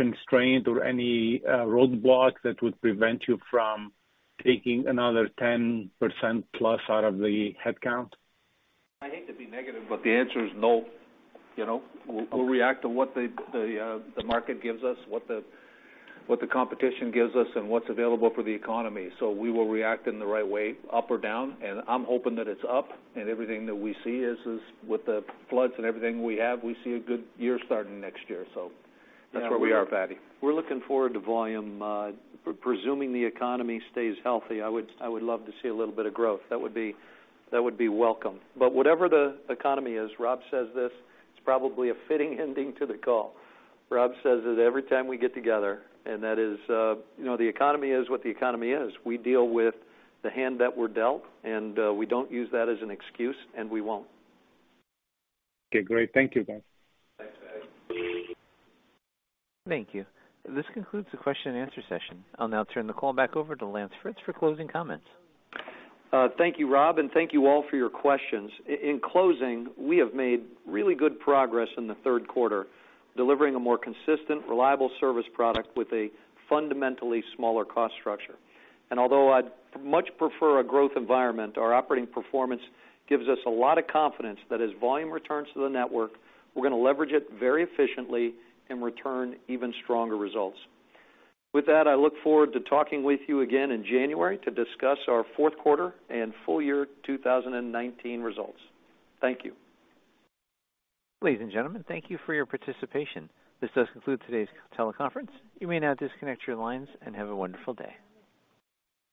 constraint or any roadblock that would prevent you from taking another 10% plus out of the headcount? I hate to be negative, but the answer is no. We'll react to what the market gives us, what the competition gives us, and what's available for the economy. We will react in the right way, up or down, and I'm hoping that it's up. Everything that we see is with the floods and everything we have, we see a good year starting next year. That's where we are, Fadi. We're looking forward to volume. Presuming the economy stays healthy, I would love to see a little bit of growth. That would be welcome. Whatever the economy is, Rob says this, it's probably a fitting ending to the call. Rob says it every time we get together, and that is, the economy is what the economy is. We deal with the hand that we're dealt, and we don't use that as an excuse, and we won't. Okay, great. Thank you, guys. Thanks, Fadi. Thank you. This concludes the question and answer session. I'll now turn the call back over to Lance Fritz for closing comments. Thank you, Rob. Thank you all for your questions. In closing, we have made really good progress in the third quarter, delivering a more consistent, reliable service product with a fundamentally smaller cost structure. Although I'd much prefer a growth environment, our operating performance gives us a lot of confidence that as volume returns to the network, we're going to leverage it very efficiently and return even stronger results. With that, I look forward to talking with you again in January to discuss our fourth quarter and full year 2019 results. Thank you. Ladies and gentlemen, thank you for your participation. This does conclude today's teleconference. You may now disconnect your lines and have a wonderful day.